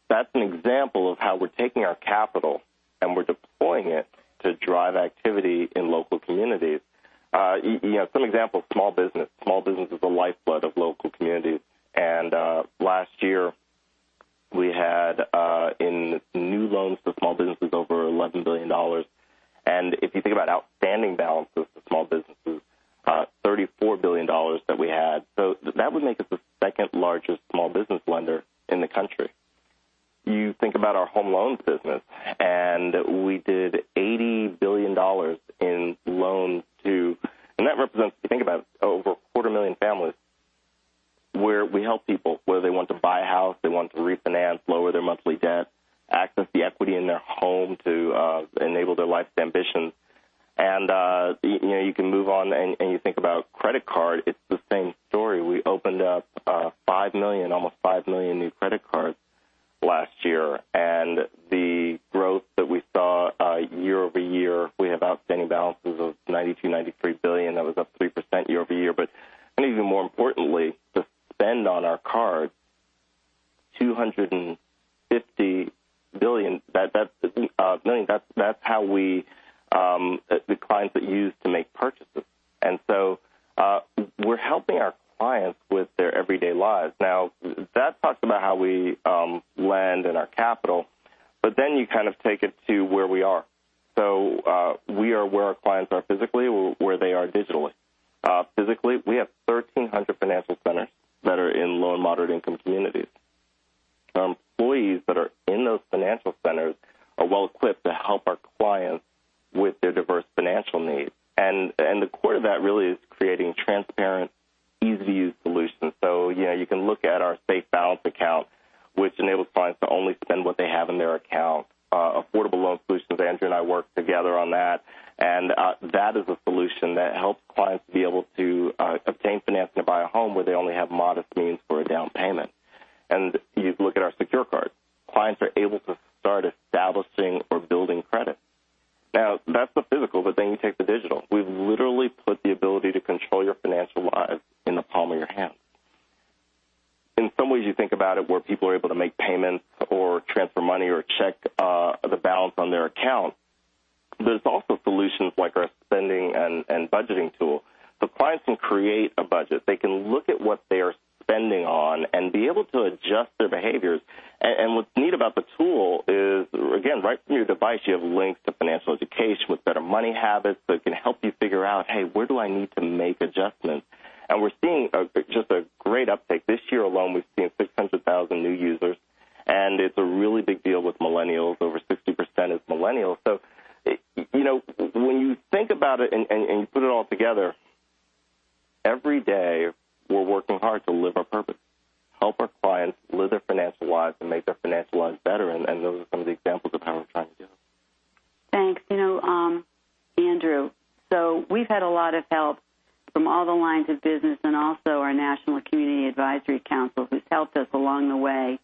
that's an example of how we're taking our capital and we're deploying it to drive activity in local communities. Some examples, small business. Small business is the lifeblood of local communities, and last year we had in new loans to small businesses over $11 billion. If you think about outstanding balances to small businesses, $34 billion that we had. That would make us the second-largest small business lender in the country. You think about our home loans business, and we did $80 billion in loans to and that represents, if you think about it, over a quarter million families where we help people, whether they want to buy a house, they want to refinance, lower their monthly debt, access the equity in their home to enable their life's ambitions. You can move on, you think about credit card, it's the same story. We opened up almost 5 million new credit cards last year, and the growth that we saw year-over-year, we have outstanding balances of $92 billion-$93 billion. That was up 3% year-over-year. I think even more importantly, the spend on our cards, $250 million. That's how the clients that use to make purchases. We're helping our clients with their everyday lives. That talks about how we lend in our capital, you kind of take it to where we are. We are where our clients are physically, where they are digitally. Physically, we have 1,300 financial centers that are in low and moderate-income communities. Employees that are in those financial centers are well-equipped to help our clients with their diverse financial needs. The core to that really is creating transparent, easy-to-use solutions. You can look at our SafeBalance Banking, which enables clients to only spend what they have in their account. Affordable Loan Solutions, Andrew and I worked together on that, and that is a solution that helps clients be able to obtain financing to buy a home where they only have modest means for a down payment. You look at our Secured Card. Clients are able to start establishing or building credit. That's the physical, you take the digital. We've literally put the ability to control your financial life in the palm of your hand. In some ways, you think about it where people are able to make payments or transfer money or check the balance on their account. It's also solutions like our spending and budgeting tool. Clients can create a budget. They can look at what they are spending on and be able to adjust their behaviors. What's neat about the tool is, again, right from your device, you have links to financial education with Better Money Habits that can help you figure out, hey, where do I need to make adjustments? We're seeing just a great uptake. This year alone, we've seen 600,000 new users, and it's a really big deal with millennials. Over 60% is millennials. When you think about it and you put it all together, every day we're working hard to live our purpose, help our clients live their financial lives, and make their financial lives better, and those are some of the examples of how we're trying to do it. Thanks, Andrew. We've had a lot of help from all the lines of business and also our National Community Advisory Council, who's helped us along the way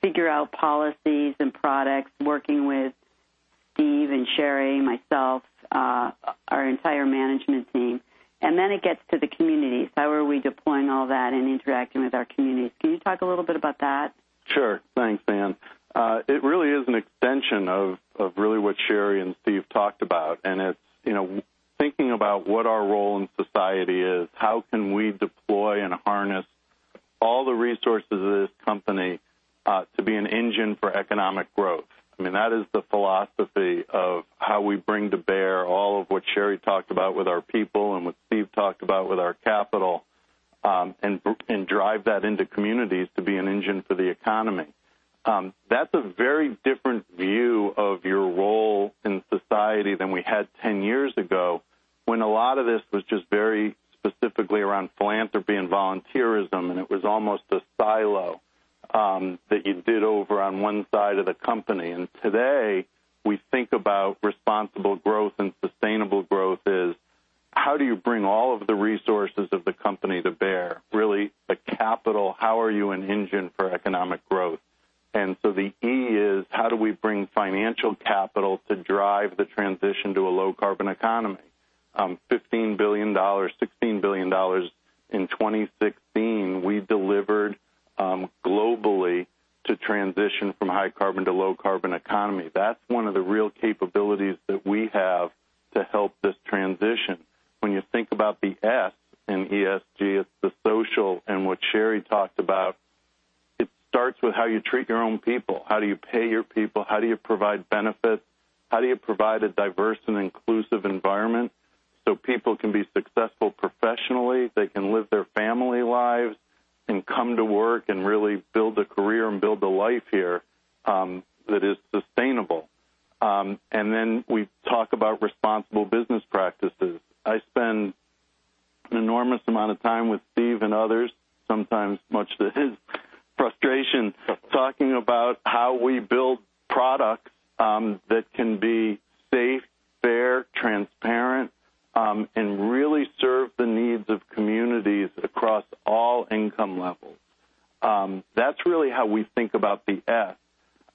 figure out policies and products, working with Steve and Sheri, myself, our entire management team. It gets to the communities. How are we deploying all that and interacting with our communities? Can you talk a little bit about that? Sure. Thanks, Anne. It really is an extension of really what Sheri and Steve talked about, and it's thinking about what our role in society is. How can we deploy and harness all the resources of this company to be an engine for economic growth. That is the philosophy of how we bring to bear all of what Sheri talked about with our people and what Steve talked about with our capital, and drive that into communities to be an engine for the economy. That's a very different view of your role in society than we had 10 years ago, when a lot of this was just very specifically around philanthropy and volunteerism, and it was almost a silo that you did over on one side of the company. Today, we think about responsible growth and sustainable growth is, how do you bring all of the resources of the company to bear, really the capital? How are you an engine for economic growth? The E is how do we bring financial capital to drive the transition to a low-carbon economy? $15 billion, $16 billion in 2016, we delivered globally to transition from high carbon to low carbon economy. That's one of the real capabilities that we have to help this transition. When you think about the S in ESG, it's the social and what Sheri talked about. It starts with how you treat your own people. How do you pay your people? How do you provide benefits? How do you provide a diverse and inclusive environment so people can be successful professionally, they can live their family lives, come to work and really build a career and build a life here that is sustainable? We talk about responsible business practices. I spend an enormous amount of time with Steve and others, sometimes much to his frustration, talking about how we build products that can be safe, fair, transparent, and really serve the needs of communities across all income levels. That's really how we think about the S.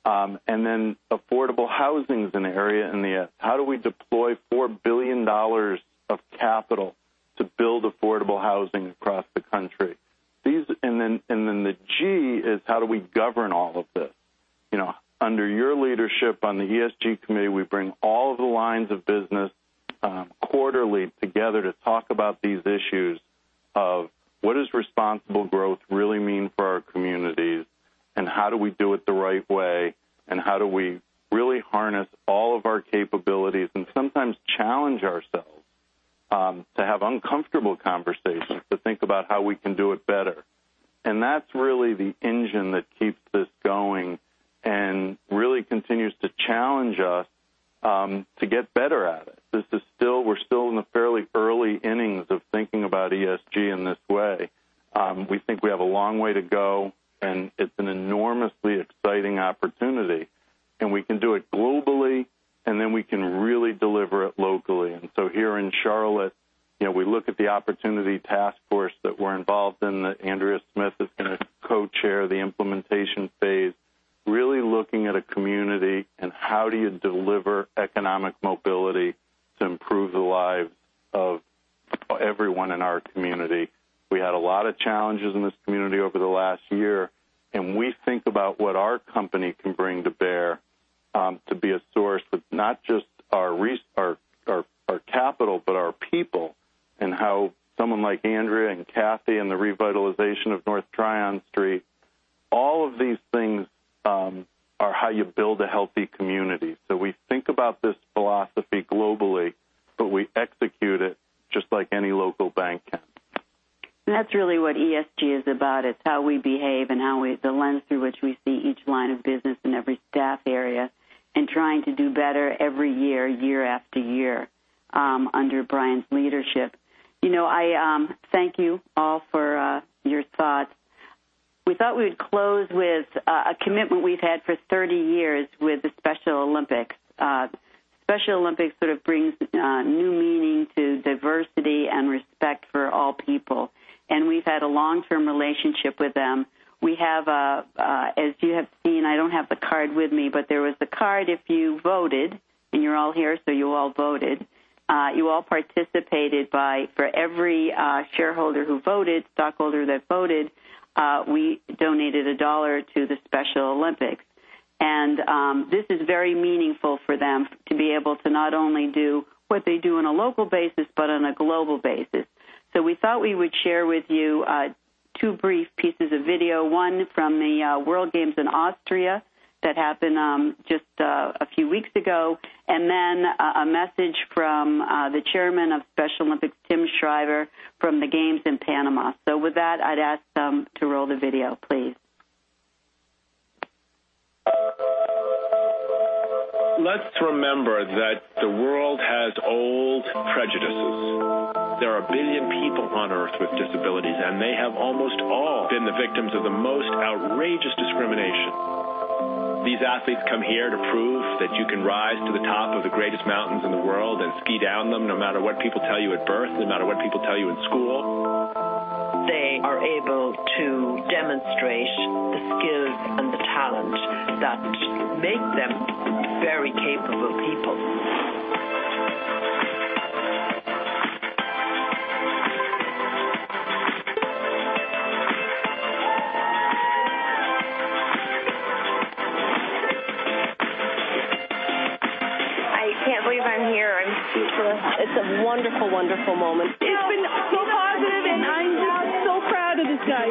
Affordable housing is an area in the S. How do we deploy $4 billion of capital to build affordable housing across the country? The G is how do we govern all of this? Under your leadership on the ESG committee, we bring all of the lines of business quarterly together to talk about these issues of what does responsible growth really mean for our communities, how do we do it the right way, how do we really harness all of our capabilities and sometimes challenge ourselves to have uncomfortable conversations, to think about how we can do it better. That's really the engine that keeps this going and really continues to challenge us to get better at it. We're still in the fairly early innings of thinking about ESG in this way. We think we have a long way to go, it's an enormously exciting opportunity. We can do it globally, then we can really deliver it locally. Here in Charlotte, we look at the opportunity task force that we're involved in, that Andrea Smith is going to co-chair the implementation phase, really looking at a community and how do you deliver economic mobility to improve the lives of everyone in our community. We had a lot of challenges in this community over the last year, we think about what our company can bring to bear to be a source of not just our capital, but our people, how someone like Andrea and Kathy and the revitalization of North Tryon Street, all of these things are how you build a healthy community. We think about this philosophy globally, we execute it just like any local bank can. That's really what ESG is about. It's how we behave the lens through which we see each line of business in every staff area, trying to do better every year after year under Brian's leadership. I thank you all for your thoughts. We thought we would close with a commitment we've had for 30 years with the Special Olympics. Special Olympics sort of brings new meaning to diversity and respect for all people, we've had a long-term relationship with them. We have, as you have seen, I don't have the card with me, but there was a card if you voted, you're all here, so you all voted. You all participated. For every shareholder who voted, stockholder that voted, we donated $1 to the Special Olympics. This is very meaningful for them to be able to not only do what they do on a local basis, but on a global basis. We thought we would share with you two brief pieces of video, one from the World Games in Austria that happened just a few weeks ago, then a message from the chairman of Special Olympics, Timothy Shriver, from the games in Panama. With that, I'd ask to roll the video, please. Let's remember that the world has old prejudices. There are a billion people on Earth with disabilities, they have almost all been the victims of the most outrageous discrimination. These athletes come here to prove that you can rise to the top of the greatest mountains in the world and ski down them, no matter what people tell you at birth, no matter what people tell you in school. They are able to demonstrate the skills and the talent that make them very capable people. Wonderful moment. It's been so positive, and I'm just so proud of this guy.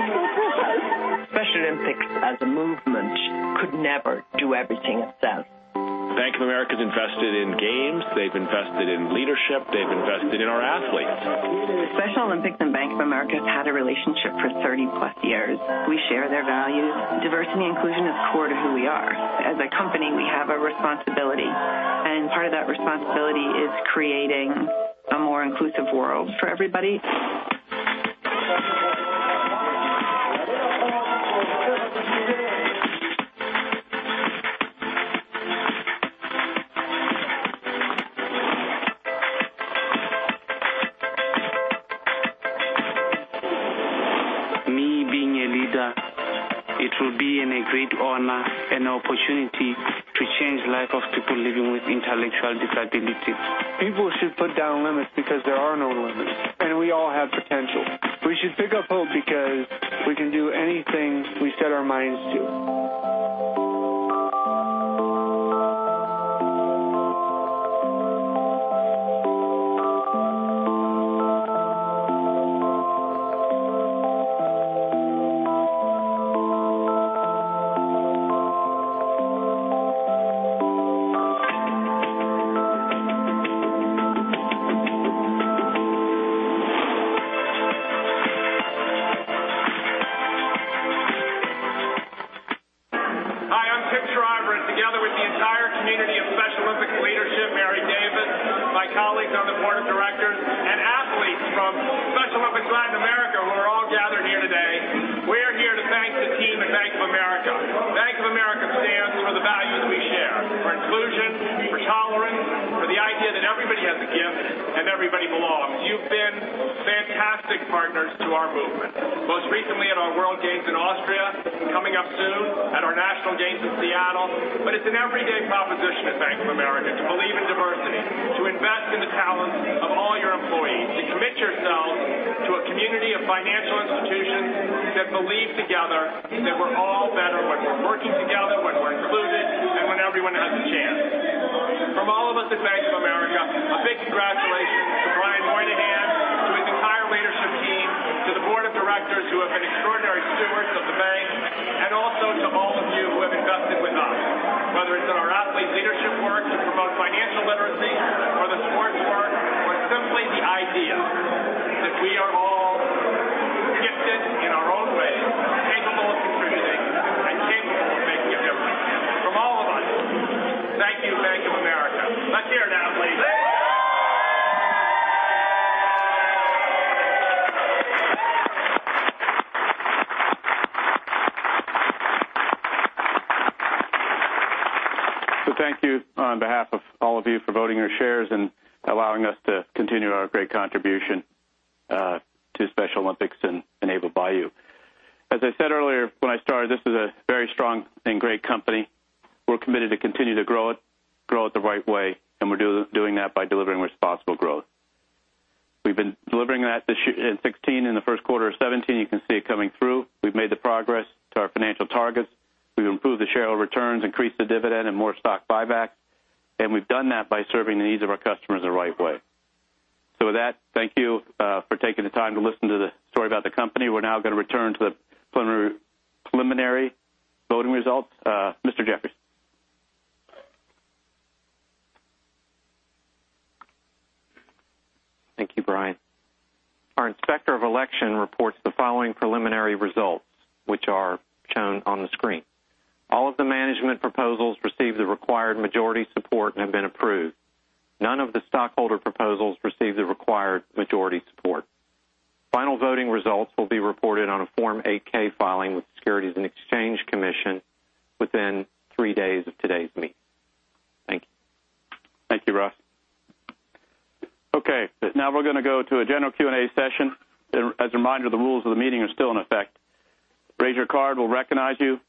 Special Olympics as a movement could never do everything itself. Bank of America's invested in games, they've invested in leadership, they've invested in our athletes. The Special Olympics and Bank of America have had a relationship for 30-plus years. We share their values. Diversity and inclusion is core to who we are. As a company, we have a responsibility, and part of that responsibility is creating a more inclusive world for everybody. Me being a leader, it will be a great honor and opportunity to change the life of people living with intellectual disabilities. People should put down limits because there are no limits, and we all have potential. We should pick up hope because we can do anything we set our minds to. Hi, From all of us at Bank of America, a big congratulations to Brian Moynihan, to his entire leadership team, to the board of directors who have been extraordinary stewards of the bank, and also to all of you who have invested with us, whether it's in our athlete leadership work to promote financial literacy or the sports work or simply the idea that we are all gifted in our own ways, capable of contributing, and capable of making a difference. From all of us, thank you, Bank of America. Let's hear it, athletes. Thank you on behalf of all of you for voting your shares and allowing us to continue our great contribution to Special Olympics and [Bank of America]. As I said earlier when I started, this is a very strong and great company. We're committed to continue to grow it, grow it the right way, and we're doing that by delivering responsible growth. We've been delivering that in 2016. In the first quarter of 2017, you can see it coming through. We've made the progress to our financial targets. We've improved the shareholder returns, increased the dividend, and more stock buyback, and we've done that by serving the needs of our customers the right way. With that, thank you for taking the time to listen to the story about the company. We're now going to return to the preliminary voting results. Mr. Jeffries. Thank you, Brian. Our Inspector of Election reports the following preliminary results, which are shown on the screen. All of the management proposals received the required majority support and have been approved. None of the stockholder proposals received the required majority support. Final voting results will be reported on a Form 8-K filing with the Securities and Exchange Commission within three days of today's meeting. Thank you. Thank you, Ross. Now we're going to go to a general Q&A session. As a reminder, the rules of the meeting are still in effect. Raise your card, we'll recognize you.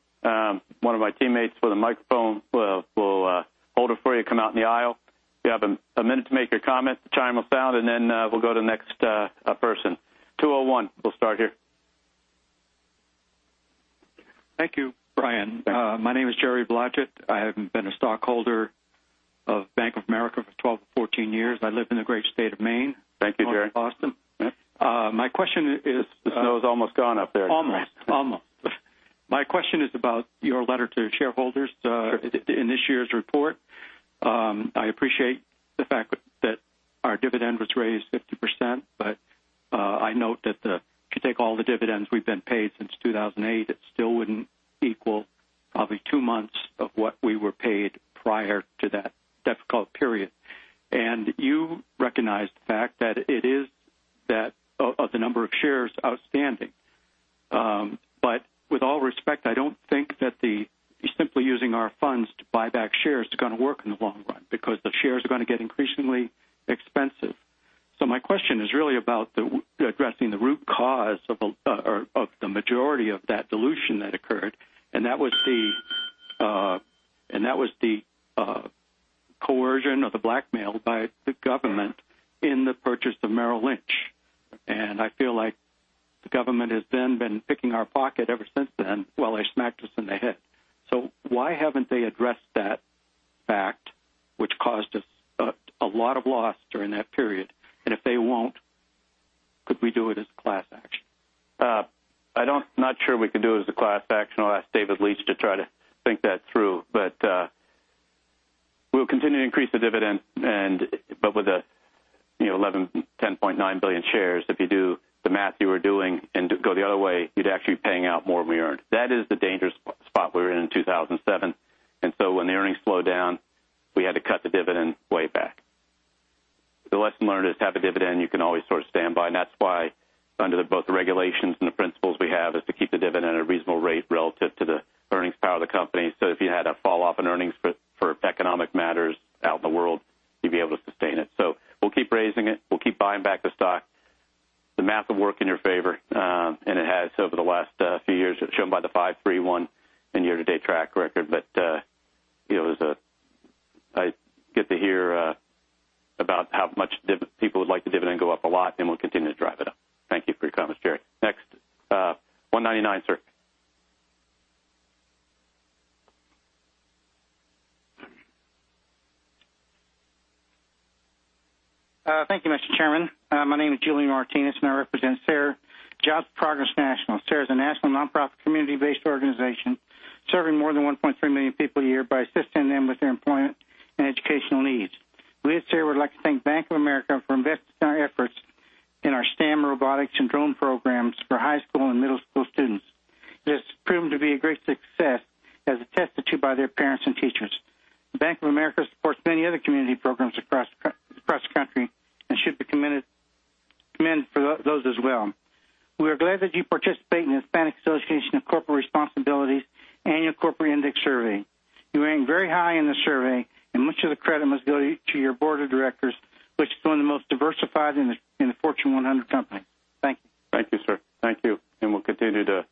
One of my teammates with a microphone will hold it for you, come out in the aisle. You have a minute to make your comment. The chime will sound, and then we'll go to the next person. 201, we'll start here. Thank you, Brian. My name is Jerry Blodgett. I have been a stockholder of Bank of America for 12-14 years. I live in the great state of Maine. Thank you, Jerry. Welcome to Austin. Yep. My question is. The snow's almost gone up there. Almost. My question is about your letter to your shareholders in this year's report. I appreciate the fact that our dividend was raised 50%, but I note that if you take all the dividends we've been paid since 2008, it still wouldn't equal probably two months of what we were paid prior to that difficult period. You recognize the fact that it is that of the number of shares outstanding. With all respect, I don't think that simply using our funds to buy back shares is going to work in the long run because the shares are going to get increasingly expensive. My question is really about addressing the root cause of the majority of that dilution that occurred, and that was the coercion or the blackmail by the government in the purchase of Merrill Lynch. I feel like the government has then been picking our pocket ever since then while they smacked us in the head. Why haven't they addressed that fact, which caused us a lot of loss during that period? If they won't, could we do it as a class action? I'm not sure we can do it as a class action. I'll ask David Leitch to try to think that through. We'll continue to increase the dividend. With the 11, 10.9 billion shares, if you do the math you were doing and go the other way, you'd actually be paying out more than we earned. That is the dangerous spot we were in in 2007. When the earnings slowed down, we had to cut the dividend way back. The lesson learned is to have a dividend you can always sort of stand by, and that's why under both the regulations and the principles we have is to keep the dividend at a reasonable rate relative to the earnings power of the company. If you had a fall off in earnings for economic matters out in the world, you'd be able to sustain it. We'll keep raising it. We'll keep buying back the stock. The math will work in your favor, and it has over the last few years, as shown by the 5, 3, 1 in year-to-date track record. I get to hear about how much people would like the dividend go up a lot, and we'll continue to drive it up. Thank you for your comments, Jerry. Next. 199, sir. Thank you, Mr. Chairman. My name is Julian Martinez, and I represent SER Jobs for Progress National. SER is a national nonprofit community-based organization serving more than 1.3 million people a year by assisting them with their employment and educational needs. We at SER would like to thank Bank of America for investing in our efforts in our STEM robotics and drone programs for high school and middle school students. It has proven to be a great success, as attested to by their parents and teachers. Bank of America supports many other community programs across the country and should be commended for those as well. We are glad that you participate in the Hispanic Association on Corporate Responsibility's annual corporate index survey. You rank very high in the survey, much of the credit must go to your board of directors, which is one of the most diversified in the Fortune 100 company. Thank you. Thank you, sir. Thank you. We'll continue to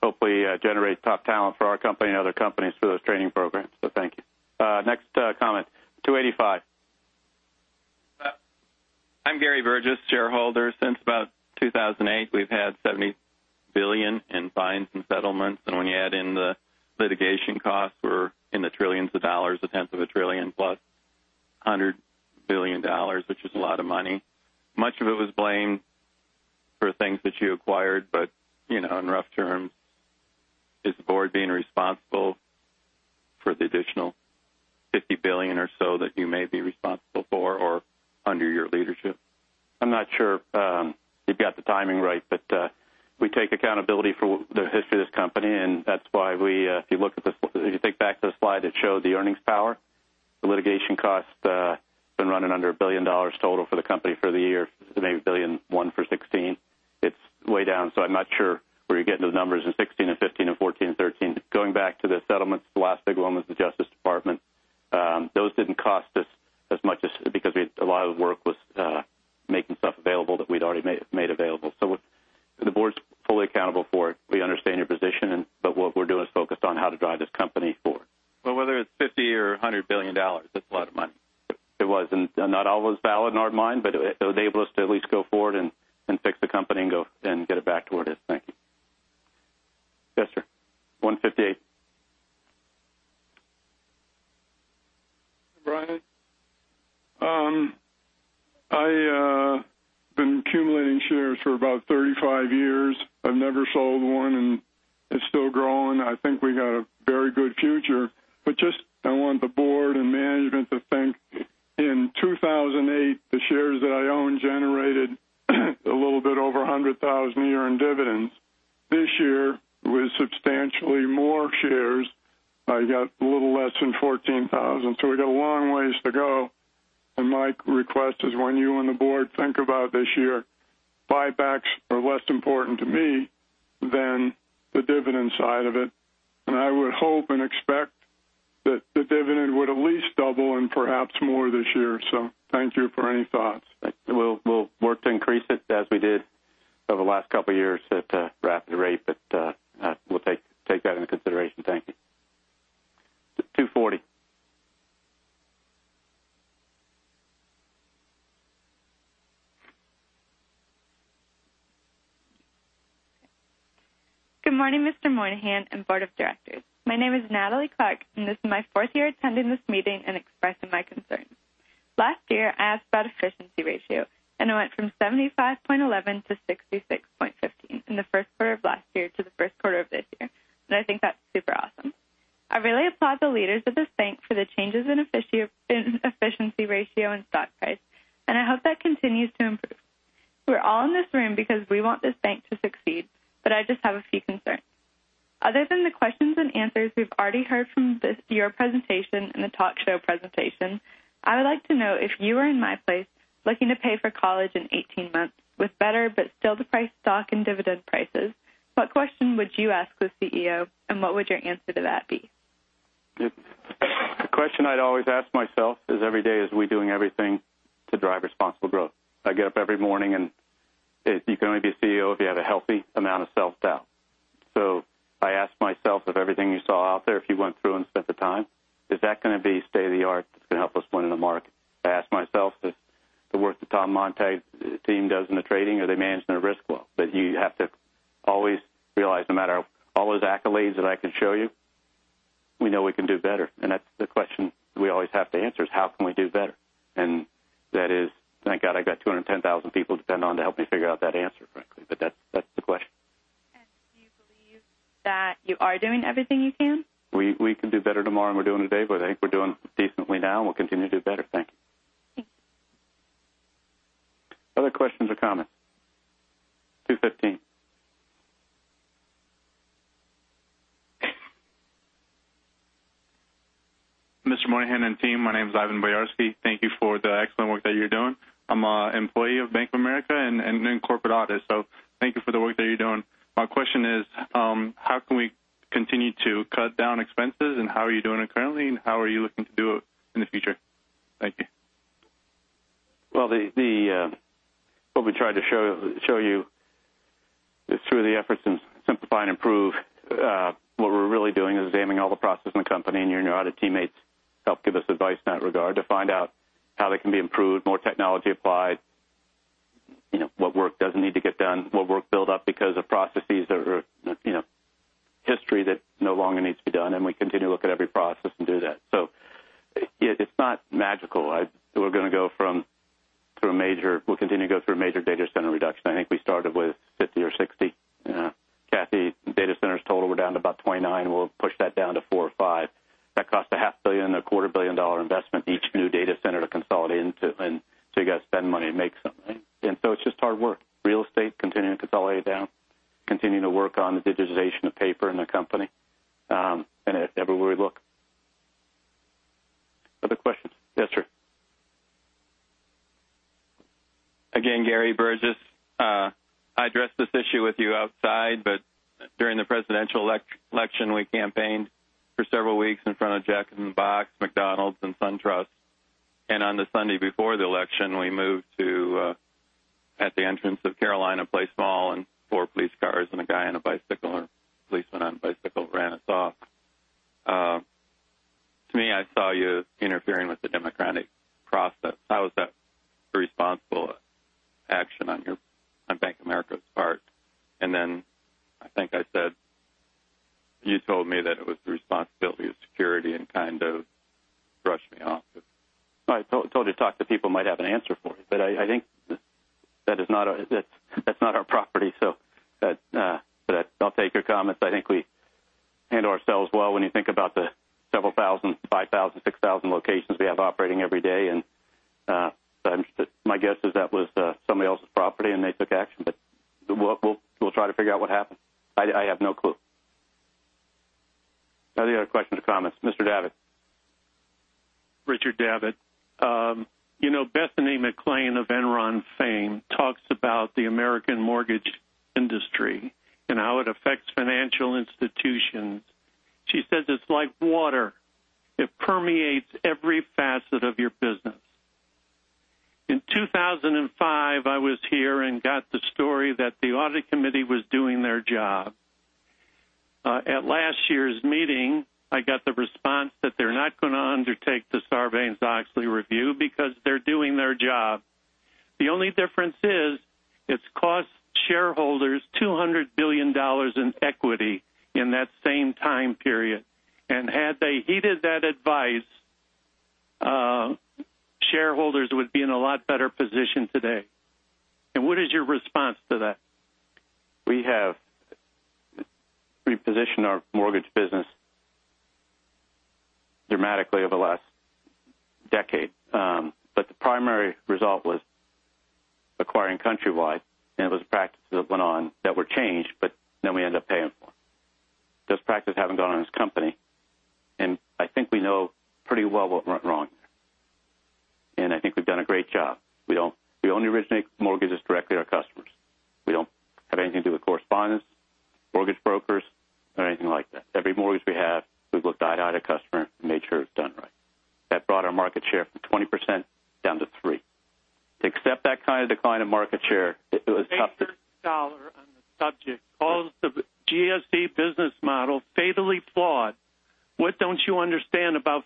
hopefully generate top talent for our company and other companies through those training programs, so thank you. Next comment, 285. I'm Gary Burgess, shareholder. Since about 2008, we've had $70 billion in fines and settlements, and when you add in the litigation costs, we're in the trillions of dollars, a tenth of a trillion plus $100 billion, which is a lot of money. Much of it was blamed for things that you acquired, in rough terms, is the board being responsible for the additional $50 billion or so that you may be responsible for or under your leadership? I'm not sure you've got the timing right, we take accountability for the history of this company, that's why if you think back to the slide that showed the earnings power, the litigation cost has been running under $1 billion total for the company for the year. It made $1.1 billion for 2016. It's way down. I'm not sure where you're getting those numbers in 2016 and 2015 and 2014 and 2013. Going back to the settlements, the last big one was the Justice Department. Those didn't cost us as much because a lot of the work was making stuff available that we'd already made available. The board's fully accountable for it. We understand your position, what we're doing is focused on how to drive this company forward. Well, whether it's $50 or $100 billion, that's a lot of money. It was, not all was valid in our mind, it enabled us to the work that Tom Montag's team does in the trading. Are they managing their risk well? You have to always realize no matter all those accolades that I can show you, we know we can do better. That's the question we always have to answer, is how can we do better? That is, thank God I got 210,000 people to depend on to help me figure out that answer, frankly. That's the question. Do you believe that you are doing everything you can? We can do better tomorrow than we're doing today. I think we're doing decently now, and we'll continue to do better. Thank you. Thank you. Other questions or comments? 2:15. Mr. Moynihan and team, my name is Ivan Bayarsky. Thank you for the excellent work that you're doing. I'm an employee of Bank of America and a corporate auditor, so thank you for the work that you're doing. My question is, how can we continue to cut down expenses, and how are you doing it currently, and how are you looking to do it in the future? Thank you. What we tried to show you is through the efforts in Simplify and Improve, what we are really doing is examining all the processes in the company, and your audit teammates help give us advice in that regard to find out how they can be improved, more technology applied, what work does not need to get done, what work built up because of processes or history that no longer needs to be done. We continue to look at every process and do that. It is not magical. We will continue to go through a major data center reduction. I think we started with 50 or 60 data centers total. We are down to about 29. We will push that down to four or five. That costs a half billion, a quarter-billion-dollar investment each new data center to consolidate into. You have to spend money to make something. It is just hard work. Real estate, continuing to consolidate down, continuing to work on the digitization of paper in the company, and everywhere we look. Other questions? Yes, sir. Again, Gary Burgess. I addressed this issue with you outside, during the presidential election, we campaigned for several weeks in front of Jack in the Box, McDonald's, and SunTrust. On the Sunday before the election, we moved to at the entrance of Carolina Place Mall, and four police cars and a guy on a bicycle, or a policeman on a bicycle ran us off. To me, I saw you interfering with the democratic process. How is that a responsible action on Bank of America's part? Then I think I said, you told me that it was the responsibility of security and kind of brushed me off. I told you to talk to people who might have an answer for you. I think that is not our property. I will take your comments. I think we handle ourselves well when you think about the several thousand, 5,000, 6,000 locations we have operating every day. My guess is that was somebody else's property and they took action. We will try to figure out what happened. I have no clue. Any other questions or comments? Mr. Davitt. Richard Davitt. Bethany McLean of Enron fame talks about the American mortgage industry and how it affects financial institutions. She says it's like water. It permeates every facet of your business. In 2005, I was here and got the story that the Audit Committee was doing their job. At last year's meeting, I got the response that they're not going to undertake the Sarbanes-Oxley review because they're doing their job. The only difference is it's cost shareholders $200 billion in equity in that same time period. Had they heeded that advice, shareholders would be in a lot better position today. What is your response to that? The primary result was acquiring Countrywide, and it was practices that went on that were changed, but then we ended up paying for. Those practices haven't gone on in this company. I think we know pretty well what went wrong there. I think we've done a great job. We only originate mortgages directly to our customers. We don't have anything to do with correspondence, mortgage brokers, or anything like that. Every mortgage we have, we've looked eye to eye to customer and made sure it's done right. That brought our market share from 20% down to three. To accept that kind of decline in market share, it was tough. [Baker Staller on the subject calls the GSE business model fatally flawed. What don't you understand about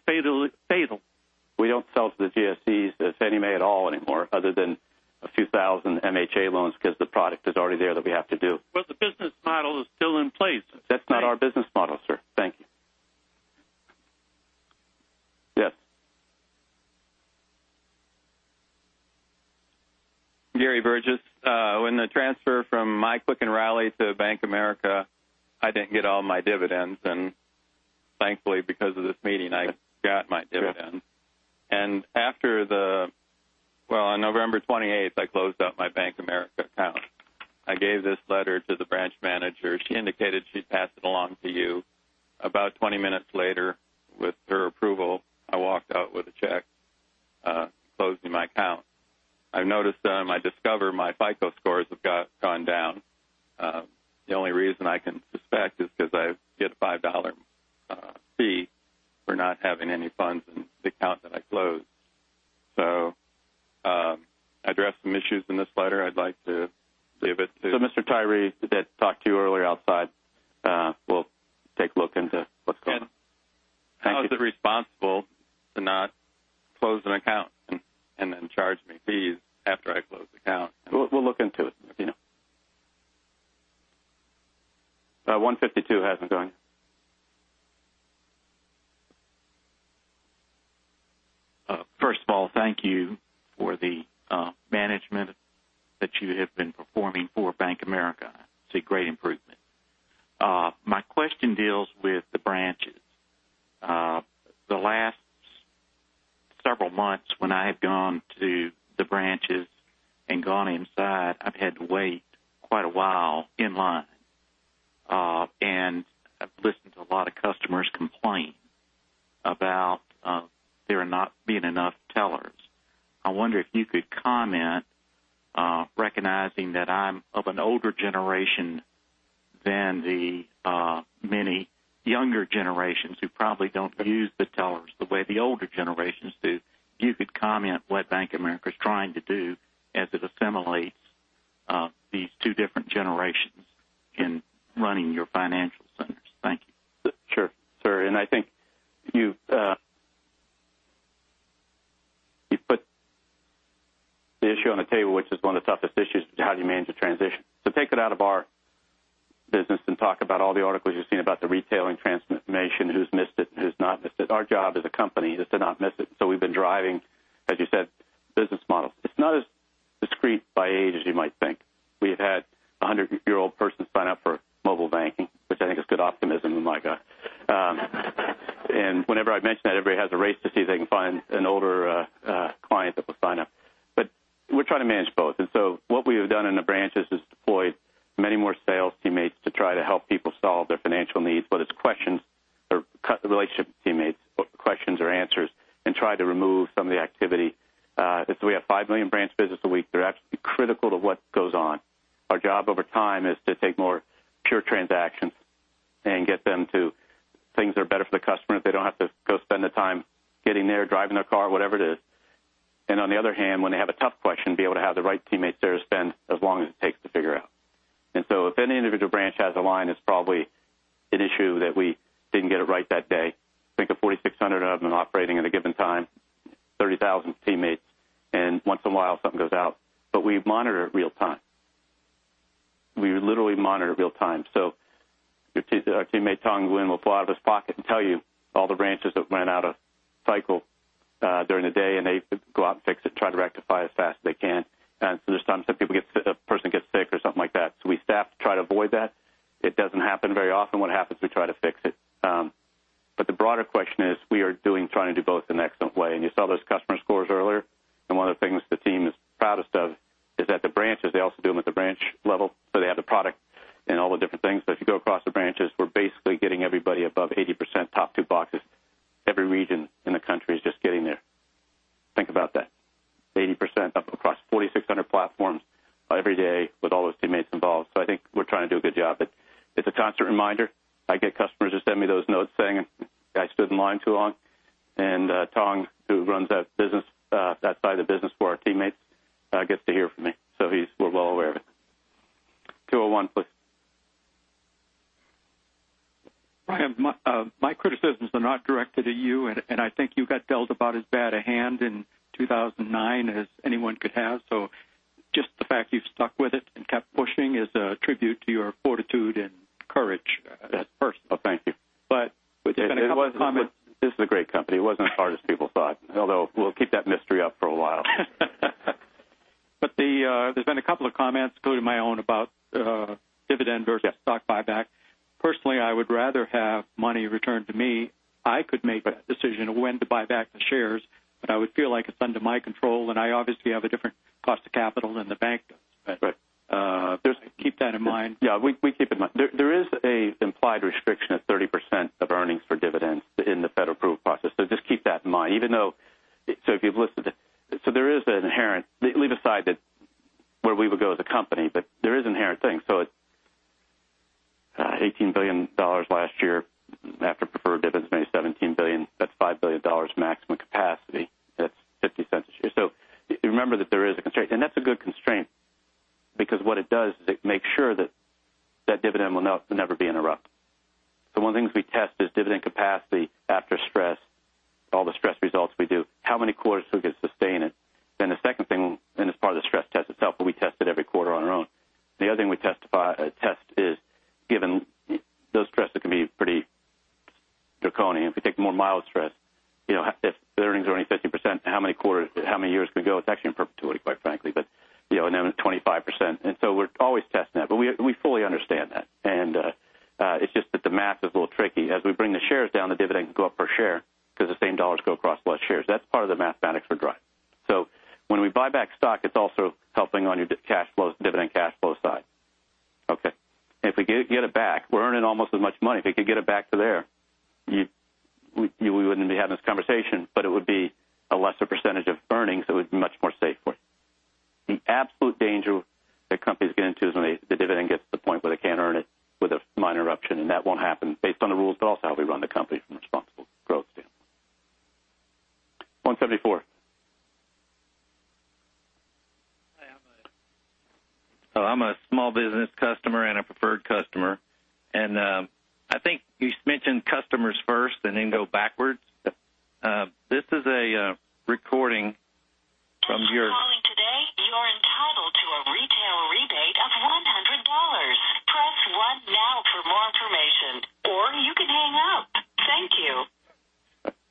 as you said, business model. It's not as discreet by age as you might think. We have had a 100-year-old person sign up for mobile banking, which I think is good optimism in my guy. Whenever I mention that, everybody has a race to see if they can find an There's been a couple of comments, including my own, about dividend versus stock buyback. Personally, I would rather have money returned to me. I could make that decision of when to buy back the shares, but I would feel like it's under my control, and I obviously have a different cost of capital than the bank does. Right. Keep that in mind. We keep in mind. There is an implied restriction of 30% of earnings for dividends in the federal approval process, so just keep that in mind. Leave aside where we would go as a company, but there is inherent things. It's $18 billion last year. After preferred dividends paid $17 billion. That's $5 billion maximum capacity. That's $0.50 a share. Remember that there is a constraint. That's a good constraint because what it does is it makes sure that that dividend will never be interrupted. One of the things we test is dividend capacity after stress, all the stress results we do. How many quarters could we sustain it? The second thing, and it's part of the stress test itself, but we test it every quarter on our own. The other thing we test is given those stress that can be pretty draconian. If we take the more mild stress, if the earnings are only 50%, how many years can we go? It's actually in perpetuity, quite frankly. At 25%. We're always testing that, but we fully understand that. It's just that the math is a little tricky. As we bring the shares down, the dividend can go up per share because the same dollars go across less shares. That's part of the mathematics for drive. When we buy back stock, it's also helping on your dividend cash flow side. Okay. If we get it back, we're earning almost as much money. If we could get it back to there, we wouldn't be having this conversation, but it would be a Absolute danger that companies get into is when the dividend gets to the point where they can't earn it with a minor eruption, and that won't happen based on the rules, but also how we run the company from a responsible growth standpoint. 174. Hi. I'm a small business customer and a preferred customer, I think you mentioned customers first and then go backwards. Yes. This is a recording from. If you're calling today, you're entitled to a retail rebate of $100. Press one now for more information, you can hang up. Thank you.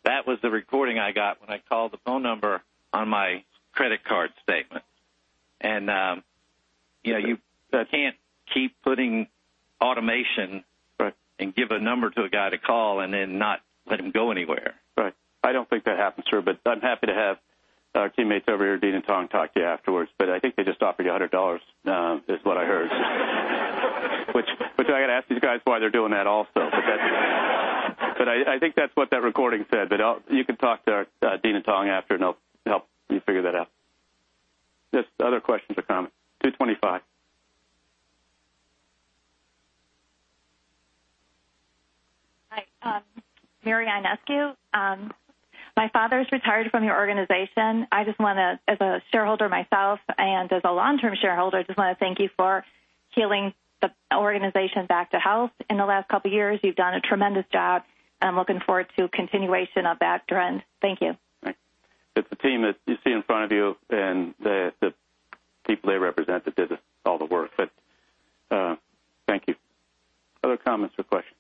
That was the recording I got when I called the phone number on my credit card statement. You can't keep putting automation- Right give a number to a guy to call and then not let him go anywhere. Right. I don't think that happens here, I'm happy to have our teammates over here, Dean and Tom, talk to you afterwards. I think they just offered you $100, is what I heard. Which I've got to ask these guys why they're doing that also. I think that's what that recording said. You can talk to Dean and Tom after, and they'll help you figure that out. Other questions or comments? 225. Hi. Mary Ionescu. My father's retired from your organization. I just want to, as a shareholder myself and as a long-term shareholder, just want to thank you for healing the organization back to health in the last couple of years. You've done a tremendous job, and I'm looking forward to continuation of that trend. Thank you. Right. It's the team that you see in front of you and the people they represent that did all the work. Thank you. Other comments or questions?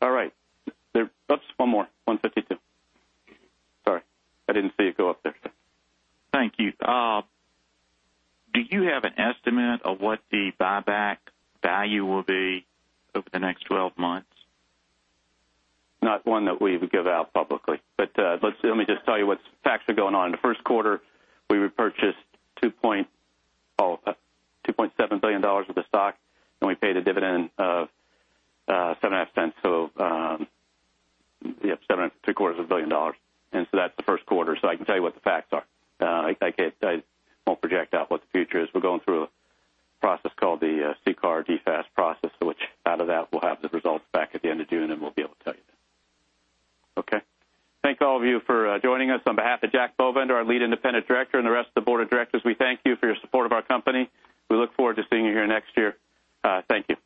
All right. Oops, one more. 152. Sorry, I didn't see you go up there, sir. Thank you. Do you have an estimate of what the buyback value will be over the next 12 months? Not one that we would give out publicly. Let me just tell you what facts are going on. In the first quarter, we repurchased $2.7 billion of the stock, and we paid a dividend of seven and a half cents, so three-quarters of a billion dollars. That's the first quarter. I can tell you what the facts are. I won't project out what the future is. We're going through a process called the CCAR DFAST process, which out of that will have the results back at the end of June, and we'll be able to tell you then. Okay. Thank all of you for joining us. On behalf of Jack Bovender, our Lead Independent Director, and the rest of the board of directors, we thank you for your support of our company. We look forward to seeing you here next year. Thank you.